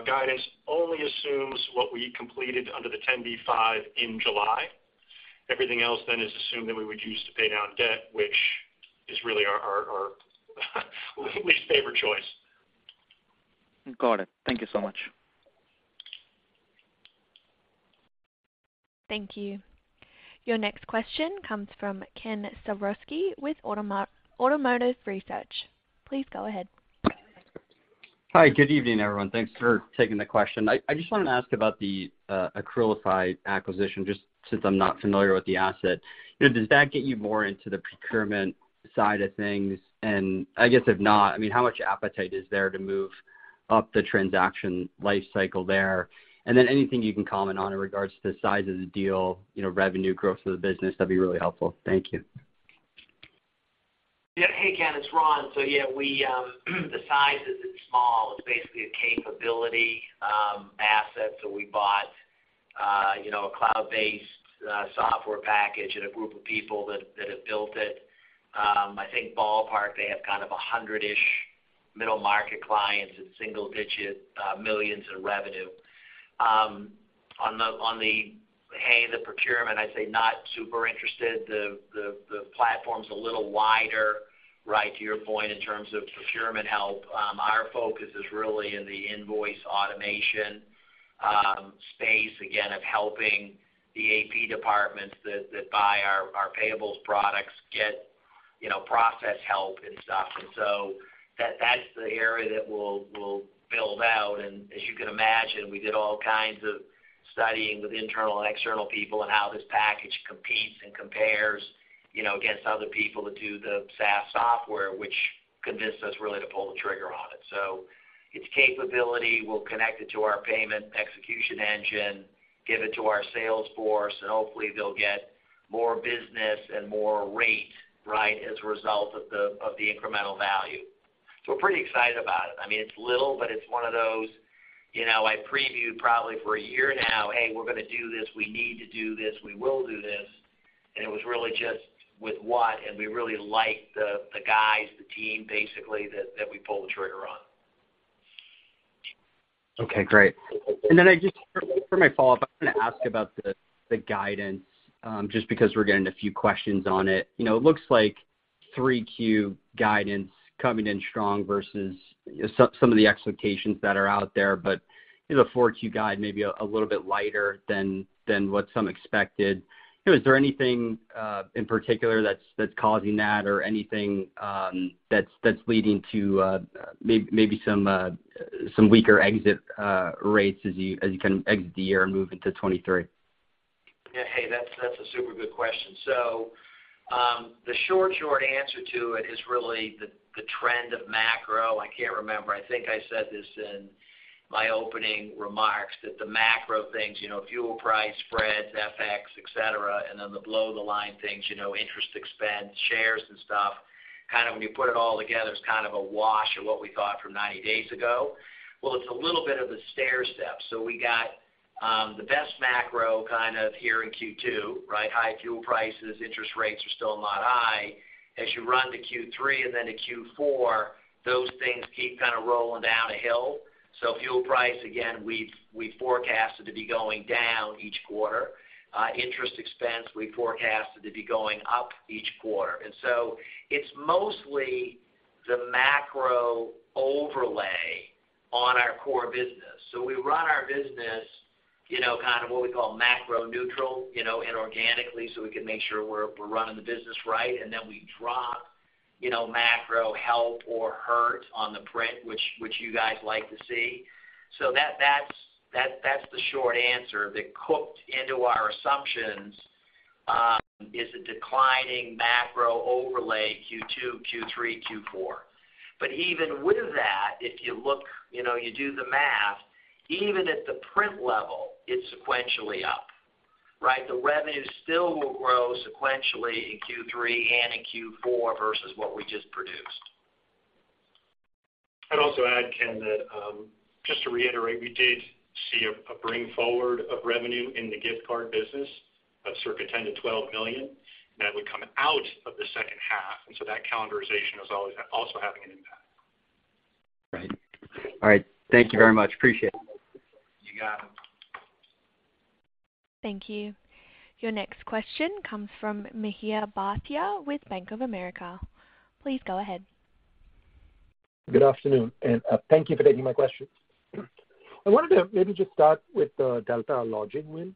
guidance only assumes what we completed under the 10b5-1 in July. Everything else is assumed that we would use to pay down debt, which is really our least favorite choice. Got it. Thank you so much. Thank you. Your next question comes from Ken Suchoski with Autonomous Research. Please go ahead. Hi, good evening, everyone. Thanks for taking the question. I just wanted to ask about the Accrualify acquisition, just since I'm not familiar with the asset. You know, does that get you more into the procurement side of things? I guess if not, I mean, how much appetite is there to move up the transaction life cycle there? Then anything you can comment on in regards to the size of the deal, you know, revenue growth of the business, that'd be really helpful. Thank you. Yeah. Hey, Ken, it's Ron. Yeah, we, the size isn't small. It's basically a capability asset. We bought, you know, a cloud-based software package and a group of people that have built it. I think ballpark, they have kind of 100-ish middle market clients and single-digit $ millions in revenue. On the procurement, I'd say not super interested. The platform's a little wider, right, to your point, in terms of procurement help. Our focus is really in the invoice automation space, again, of helping the AP departments that buy our payables products get, you know, process help and stuff. That's the area that we'll build out. As you can imagine, we did all kinds of studying with internal and external people on how this package competes and compares, you know, against other people that do the SaaS software, which convinced us really to pull the trigger on it. Its capability, we'll connect it to our payment execution engine, give it to our sales force, and hopefully they'll get more business and more rate, right, as a result of the incremental value. We're pretty excited about it. I mean, it's little, but it's one of those, you know, I previewed probably for a year now, "Hey, we're gonna do this. We need to do this. We will do this." It was really just with what, and we really liked the guys, the team, basically that we pulled the trigger on. Okay, great. I just for my follow-up, I'm gonna ask about the guidance, just because we're getting a few questions on it. You know, it looks like 3Q guidance coming in strong versus some of the expectations that are out there, but, you know, 4Q guide maybe a little bit lighter than what some expected. You know, is there anything in particular that's causing that or anything that's leading to maybe some weaker exit rates as you kind of exit the year and move into 2023? Yeah. Hey, that's a super good question. The short answer to it is really the trend of macro. I can't remember. I think I said this in my opening remarks, that the macro things, you know, fuel price, spreads, FX, et cetera, and then the below the line things, you know, interest expense, shares and stuff, kind of when you put it all together, it's kind of a wash of what we thought from 90 days ago. It's a little bit of a stair step. So we got the best macro kind of here in Q2, right? High fuel prices, interest rates are still not high. As you run to Q3 and then to Q4, those things keep kind of rolling down a hill. Fuel price, again, we forecasted to be going down each quarter. Interest expense, we forecasted to be going up each quarter. It's mostly the macro overlay on our core business. We run our business, you know, kind of what we call macro neutral, you know, organically, so we can make sure we're running the business right. We drop, you know, macro help or hurt on the print, which you guys like to see. That's the short answer, that's cooked into our assumptions, is a declining macro overlay Q2, Q3, Q4. Even with that, if you look. You know, you do the math, even at the print level, it's sequentially up, right? The revenue still will grow sequentially in Q3 and in Q4 versus what we just produced. I'd also add, Ken, that just to reiterate, we did see a bring forward of revenue in the gift card business of circa $10 million to $12 million, that would come out of the second half, and so that calendarization is always also having an impact. Right. All right. Thank you very much. Appreciate it. You got it. Thank you. Your next question comes from Mihir Bhatia with Bank of America. Please go ahead. Good afternoon, thank you for taking my questions. I wanted to maybe just start with the Delta Lodging win.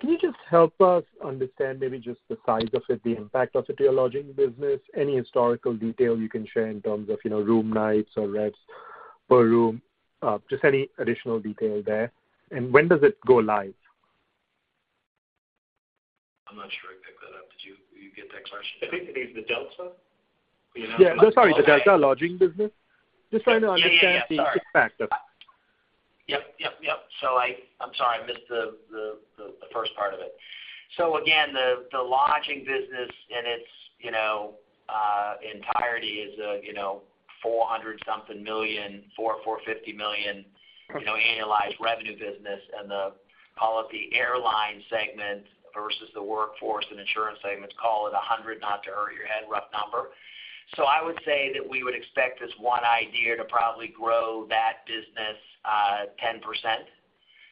Can you just help us understand maybe just the size of it, the impact of it to your lodging business? Any historical detail you can share in terms of room nights or revs per room? Just any additional detail there. When does it go live? I'm not sure I picked that up. Did you get that question? I think it is the Delta. Yeah. Sorry, the Delta Lodging business. Just trying to understand the impact of... Yeah. Yep. I'm sorry, I missed the first part of it. Again, the lodging business in its entirety is $400 something million, $400 to $450 million annualized revenue business. Call it the airline segment versus the workforce and insurance segments, call it $100, not to hurt your head, rough number. I would say that we would expect this one idea to probably grow that business 10%,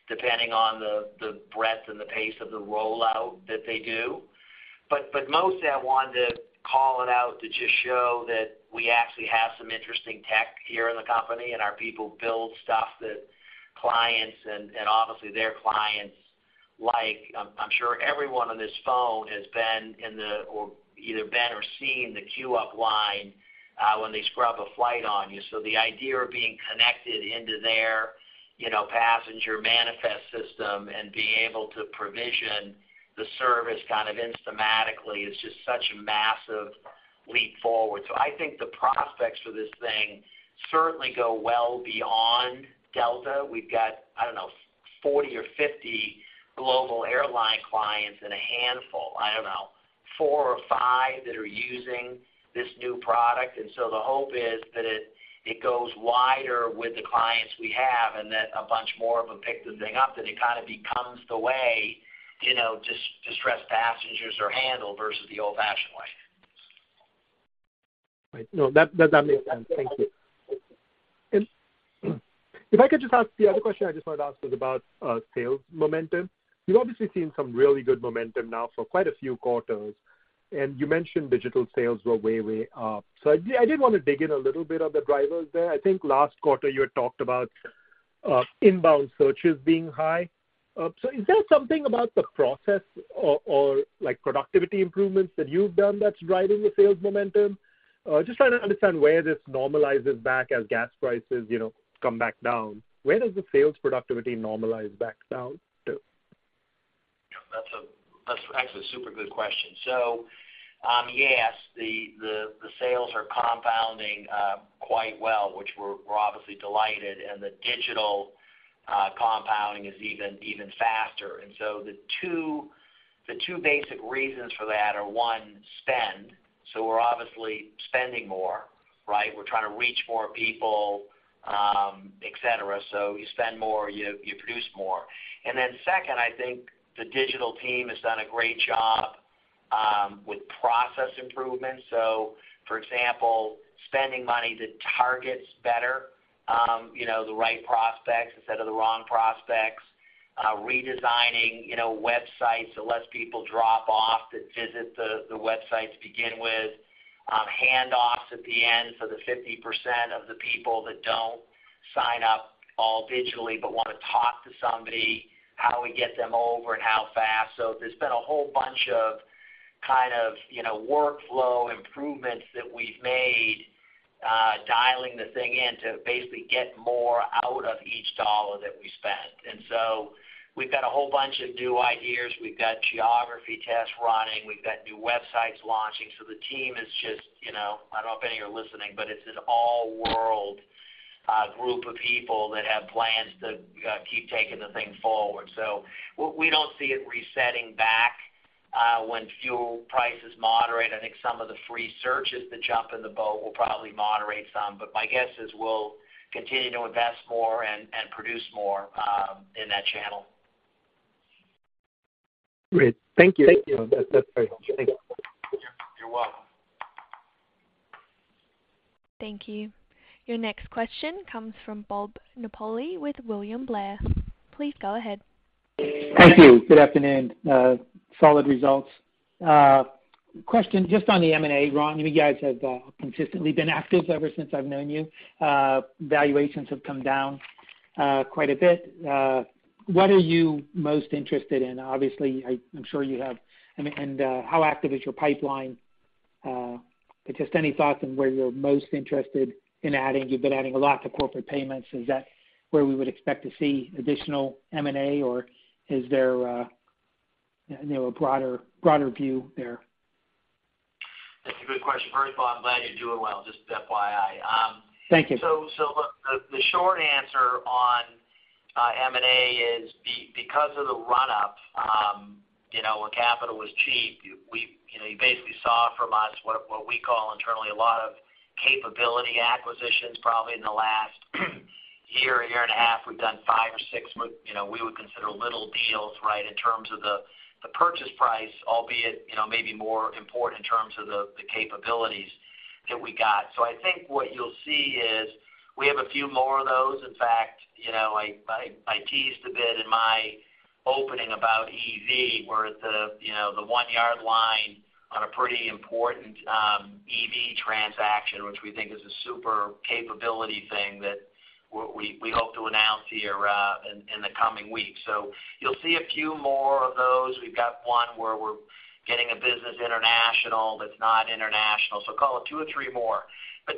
depending on the breadth and the pace of the rollout that they do. Mostly I wanted to call it out to just show that we actually have some interesting tech here in the company, and our people build stuff that clients and obviously their clients like. I'm sure everyone on this phone has either been or seen the queue-up line when they scrub a flight on you. The idea of being connected into their passenger manifest system and being able to provision the service automatically is just such a massive leap forward. I think the prospects for this thing certainly go well beyond Delta. We've got, I don't know, 40 or 50 global airline clients and a handful, I don't know, four or five that are using this new product. The hope is that it goes wider with the clients we have and that a bunch more of them pick the thing up, that it becomes the way, you know, distressed passengers are handled versus the old-fashioned way. Right. No, that makes sense. Thank you. If I could just ask the other question I just wanted to ask was about sales momentum. You've obviously seen some really good momentum now for quite a few quarters, and you mentioned digital sales were way up. I did wanna dig in a little bit of the drivers there. I think last quarter you had talked about inbound searches being high. Is there something about the process or like productivity improvements that you've done that's driving the sales momentum? Just trying to understand where this normalizes back as gas prices, you know, come back down. Where does the sales productivity normalize back down to? Yeah, that's actually a super good question. Yes, the sales are compounding quite well, which we're obviously delighted, and the digital compounding is even faster. So the two basic reasons for that are, one, spend. We're obviously spending more, right? We're trying to reach more people, et cetera. You spend more, you produce more. And second, I think the digital team has done a great job with process improvements. So for example, spending money that targets better, you know, the right prospects instead of the wrong prospects, redesigning, you know, websites so less people drop off that visit the websites to begin with. Handoffs at the end for the 50% of the people that don't sign up all digitally but wanna talk to somebody, how we get them over and how fast. There's been a whole bunch of kind of, you know, workflow improvements that we've made, dialing the thing in to basically get more out of each dollar that we spend. We've got a whole bunch of new ideas. We've got geography tests running. We've got new websites launching. The team is just, you know, I don't know if any of you are listening, but it's an all-world group of people that have plans to keep taking the thing forward. We don't see it resetting back. When fuel prices moderate, I think some of the free searches to jump in the boat will probably moderate some. My guess is we'll continue to invest more and produce more in that channel. Great. Thank you. Thank you. That's very helpful. Thanks. You're welcome. Thank you. Your next question comes from Bob Napoli with William Blair. Please go ahead. Thank you. Good afternoon. Solid results. Question just on the M&A, Ron. You guys have consistently been active ever since I've known you. Valuations have come down quite a bit. What are you most interested in? Obviously, I'm sure you have. How active is your pipeline? But just any thoughts on where you're most interested in adding? You've been adding a lot to corporate payments. Is that where we would expect to see additional M&A? Or is there, you know, a broader view there? That's a good question. Very thoughtful. I'm glad you're doing well, just FYI. Thank you. Look, the short answer on M&A is because of the run up, you know, when capital was cheap, we. You know, you basically saw from us what we call internally a lot of capability acquisitions probably in the last year and a half. We've done five or six what, you know, we would consider little deals, right? In terms of the purchase price, albeit, you know, maybe more important in terms of the capabilities that we got. I think what you'll see is we have a few more of those. In fact, you know, I teased a bit in my opening about EV. We're at the one yard line on a pretty important EV transaction, which we think is a super capability thing that we hope to announce here in the coming weeks. So you'll see a few more of those. We've got one where we're getting a business international that's not international, so call it two or three more.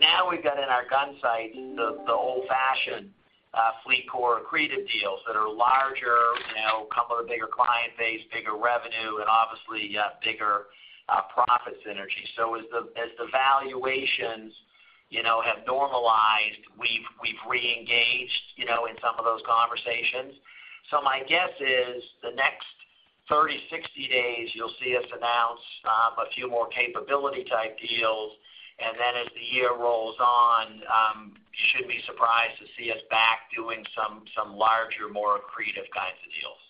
Now we've got in our gunsights the old-fashioned FleetCor accretive deals that are larger, you know, come with a bigger client base, bigger revenue, and obviously bigger profit synergy. So, as the valuations you know, have normalized, we've re-engaged in some of those conversations. My guess is the next 30 to 60 days, you'll see us announce a few more capability type deals, and then as the year rolls on, you shouldn't be surprised to see us back doing some larger, more accretive kinds of deals.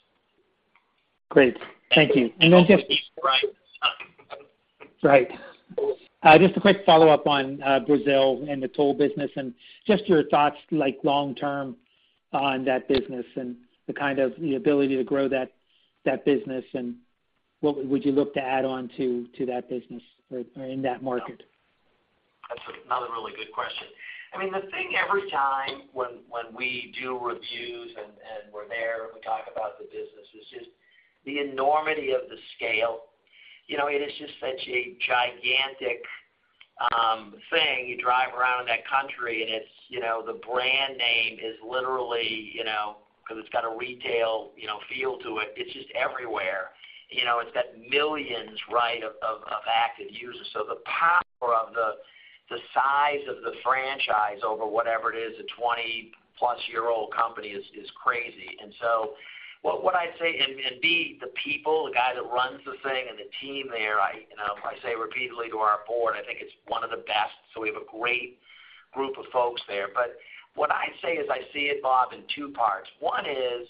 Great. Thank you. Right. Right. Just a quick follow-up on Brazil and the toll business, and just your thoughts like long term on that business and the kind of the ability to grow that business, and what would you look to add on to that business or in that market? That's another really good question. I mean, the thing every time when we do reviews and we're there and we talk about the business is just the enormity of the scale. You know, it is just such a gigantic thing. You drive around in that country and it's, you know, the brand name is literally, you know, because it's got a retail, you know, feel to it. It's just everywhere. You know, it's got millions, right, of active users. So the power of the size of the franchise over whatever it is, a 20-plus-year-old company is crazy. What would I say. B, the people, the guy that runs the thing and the team there, I, you know, I say repeatedly to our board, I think it's one of the best. So we have a great group of folks there. What I'd say is I see it, Bob, in two parts. One is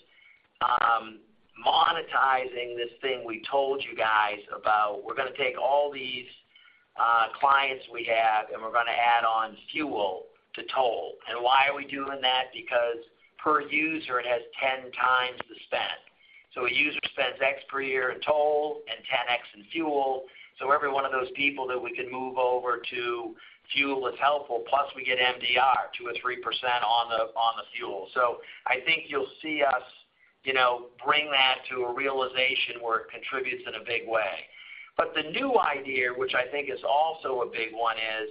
monetizing this thing we told you guys about. We're gonna take all these clients we have, and we're gonna add on fuel to toll. Why are we doing that? Because per user, it has 10 times the spend. A user spends X per year in toll and 10X in fuel. Every one of those people that we can move over to fuel is helpful. Plus we get MDR, 2% to 3% on the fuel. I think you'll see us, you know, bring that to a realization where it contributes in a big way. The new idea, which I think is also a big one, is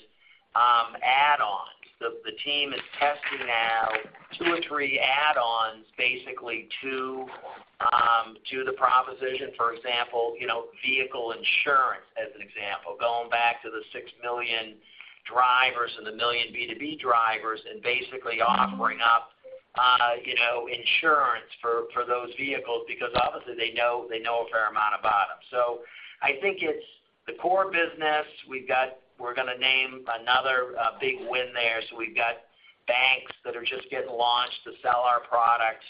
add-ons. The team is testing out two or three add-ons basically to the proposition. For example, you know, vehicle insurance as an example. Going back to the six million drivers and the one million B2B drivers and basically offering up, you know, insurance for those vehicles because obviously they know a fair amount about them. I think it's the core business. We're gonna name another big win there. We've got banks that are just getting launched to sell our products.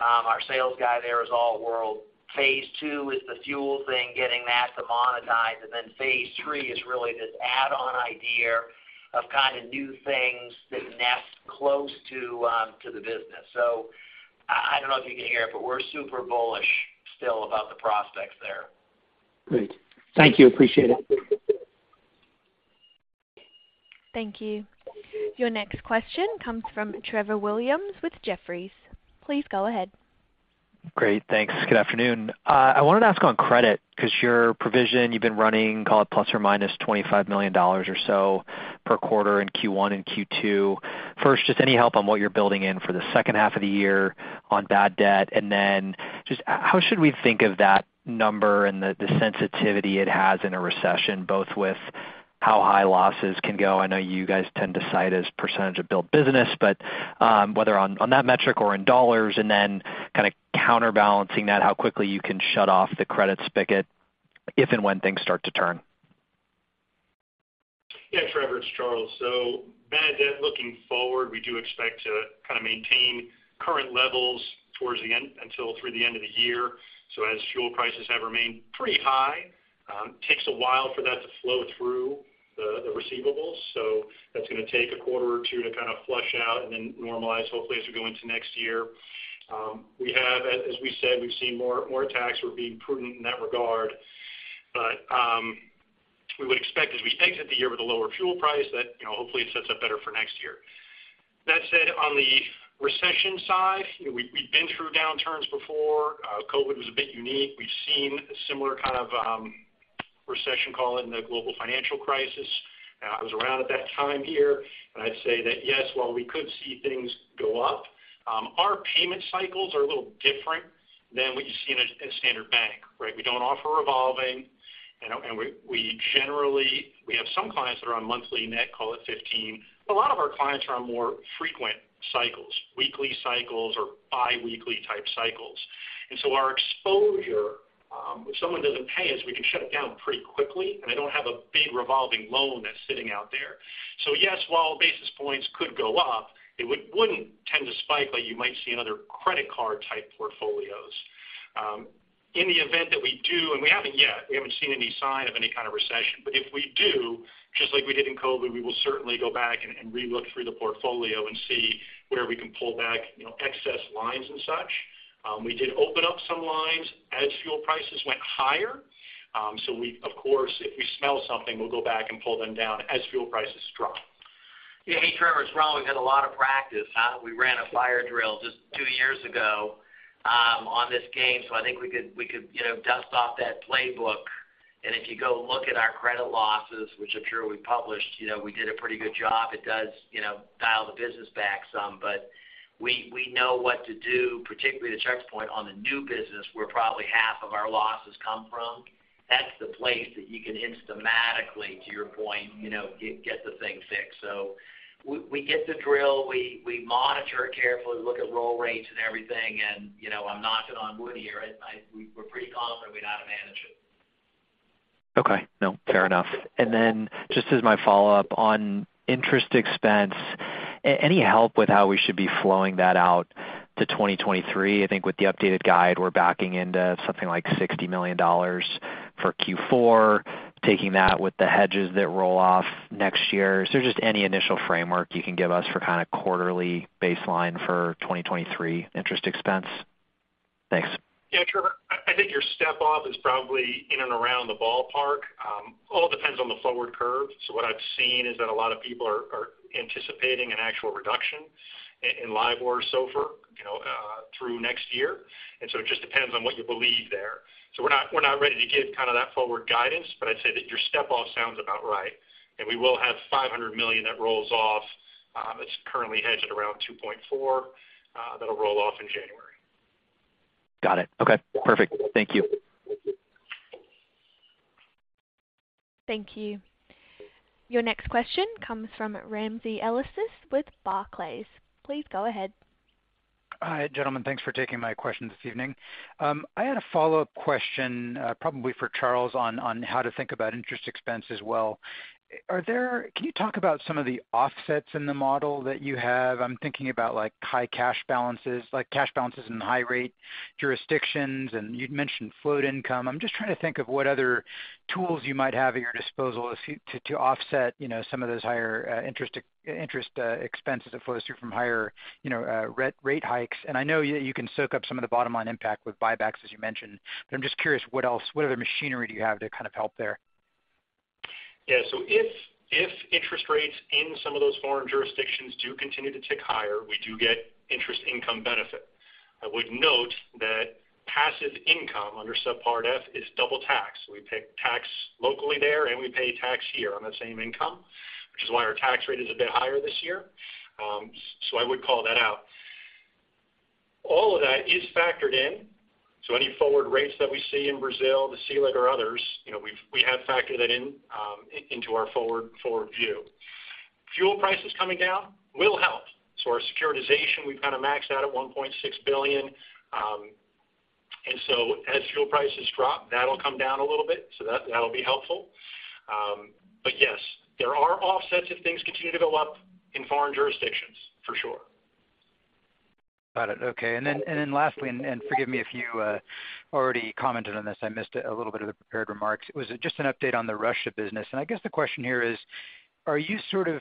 Our sales guy there is all world. Phase II is the fuel thing, getting that to monetize. Phase III is really this add-on idea of kind of new things that nest close to the business. I don't know if you can hear it, but we're super bullish still about the prospects there. Great. Thank you. Appreciate it. Thank you. Your next question comes from Trevor Williams with Jefferies. Please go ahead. Great. Thanks. Good afternoon. I wanted to ask on credit, because your provision, you've been running call it plus or minus $25 million or so per quarter in Q1 and Q2. First, just any help on what you're building in for the second half of the year on bad debt? And then just how should we think of that number and the sensitivity it has in a recession, both with how high losses can go. I know you guys tend to cite as percentage of billed business, but, whether on that metric or in dollars, and then kind of counterbalancing that, how quickly you can shut off the credit spigot if and when things start to turn. Yeah, Trevor, it's Charles. Bad debt looking forward, we do expect to kind of maintain current levels towards the end until through the end of the year. So, as fuel prices have remained pretty high, takes a while for that to flow through the receivables. That's gonna take a quarter or two to kind of flush out and then normalize hopefully as we go into next year. We have, as we said, we've seen more attacks. We're being prudent in that regard. We would expect as we exit the year with a lower fuel price that, you know, hopefully it sets up better for next year. That said, on the recession side, you know, we've been through downturns before. COVID was a bit unique. We've seen a similar kind of recession, call it, in the global financial crisis. I was around at that time here, and I'd say that, yes, while we could see things go up, our payment cycles are a little different than what you see in a standard bank, right? We don't offer revolving, and we generally have some clients that are on monthly net, call it 15, but a lot of our clients are on more frequent cycles, weekly cycles or biweekly type cycles. Our exposure, if someone doesn't pay us, we can shut it down pretty quickly, and they don't have a big revolving loan that's sitting out there. Yes, while basis points could go up, it wouldn't tend to spike like you might see in other credit card type portfolios. In the event that we do, and we haven't yet, we haven't seen any sign of any kind of recession, but if we do, just like we did in COVID, we will certainly go back and re-look through the portfolio and see where we can pull back, you know, excess lines and such. We did open up some lines as fuel prices went higher. Of course, if we smell something, we'll go back and pull them down as fuel prices drop. Yeah. Hey, Trevor, it's Ron. We've had a lot of practice, huh? We ran a fire drill just two years ago on this game, so I think we could, you know, dust off that playbook. And if you go look at our credit losses, which I'm sure we published, you know, we did a pretty good job. It does, you know, dial the business back some, but we know what to do, particularly the checkpoint on the new business where probably half of our losses come from. That's the place that you can instantly, to your point, you know, get the thing fixed. So, we get the drill, we monitor it carefully, look at roll rates and everything. You know, I'm knocking on wood here. We're pretty confident we know how to manage it. Okay. No, fair enough. Just as my follow-up on interest expense, any help with how we should be flowing that out to 2023? I think with the updated guide, we're backing into something like $60 million for Q4, taking that with the hedges that roll off next year. Just any initial framework you can give us for kinda quarterly baseline for 2023 interest expense. Thanks. Yeah, Trevor, I think your step-off is probably in and around the ballpark. All depends on the forward curve. What I've seen is that a lot of people are anticipating an actual reduction in LIBOR so far, you know, through next year. It just depends on what you believe there. We're not ready to give kind of that forward guidance, but I'd say that your step-off sounds about right. We will have $500 million that rolls off, it's currently hedged around 2.4%, that'll roll off in January. Got it. Okay. Perfect. Thank you. Thank you. Your next question comes from Ramsey El-Assal with Barclays. Please go ahead. Hi, gentlemen. Thanks for taking my question this evening. I had a follow-up question, probably for Charles on how to think about interest expense as well. Can you talk about some of the offsets in the model that you have? I'm thinking about, like, high cash balances, like cash balances in high rate jurisdictions, and you'd mentioned float income. I'm just trying to think of what other tools you might have at your disposal to offset, you know, some of those higher interest expenses that flows through from higher rate hikes. I know you can soak up some of the bottom-line impact with buybacks, as you mentioned. I'm just curious what else, what other machinery do you have to kind of help there? Yeah. If interest rates in some of those foreign jurisdictions do continue to tick higher, we do get interest income benefit. I would note that passive income under Subpart F is double tax. We pay tax locally there, and we pay tax here on the same income, which is why our tax rate is a bit higher this year. I would call that out. All of that is factored in, so any forward rates that we see in Brazil, the SELIC or others, you know, we have factored that in, into our forward view. Fuel prices coming down will help. Our securitization, we've kind of maxed out at $1.6 billion. As fuel prices drop, that'll be helpful. Yes, there are offsets if things continue to go up in foreign jurisdictions, for sure. Got it. Okay. Then lastly, forgive me if you already commented on this. I missed a little bit of the prepared remarks. It was just an update on the Russia business. I guess the question here is, are you sort of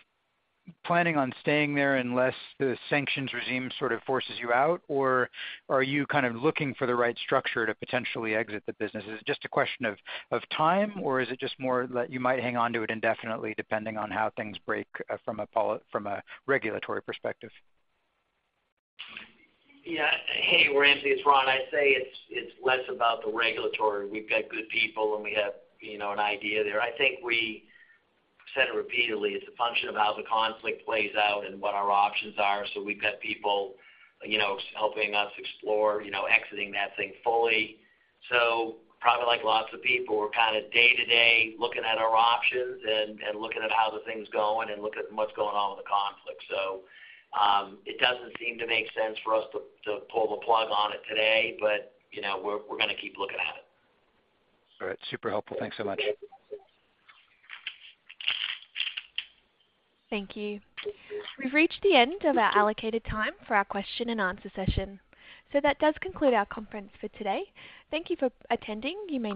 planning on staying there unless the sanctions regime sort of forces you out, or are you kind of looking for the right structure to potentially exit the business? Is it just a question of time, or is it just more that you might hang on to it indefinitely, depending on how things break from a regulatory perspective? Yeah. Hey, Ramsey, it's Ron. I'd say it's less about the regulatory. We've got good people, and we have, you know, an idea there. I think we said it repeatedly, it's a function of how the conflict plays out and what our options are. So we've got people, you know, helping us explore, you know, exiting that thing fully. Probably like lots of people, we're kind of day to day looking at our options and looking at how the thing's going and look at what's going on with the conflict. So, it doesn't seem to make sense for us to pull the plug on it today, but, you know, we're gonna keep looking at it. All right. Super helpful. Thanks so much. Thank you. We've reached the end of our allocated time for our question and answer session. That does conclude our conference for today. Thank you for attending. You may now disconnect.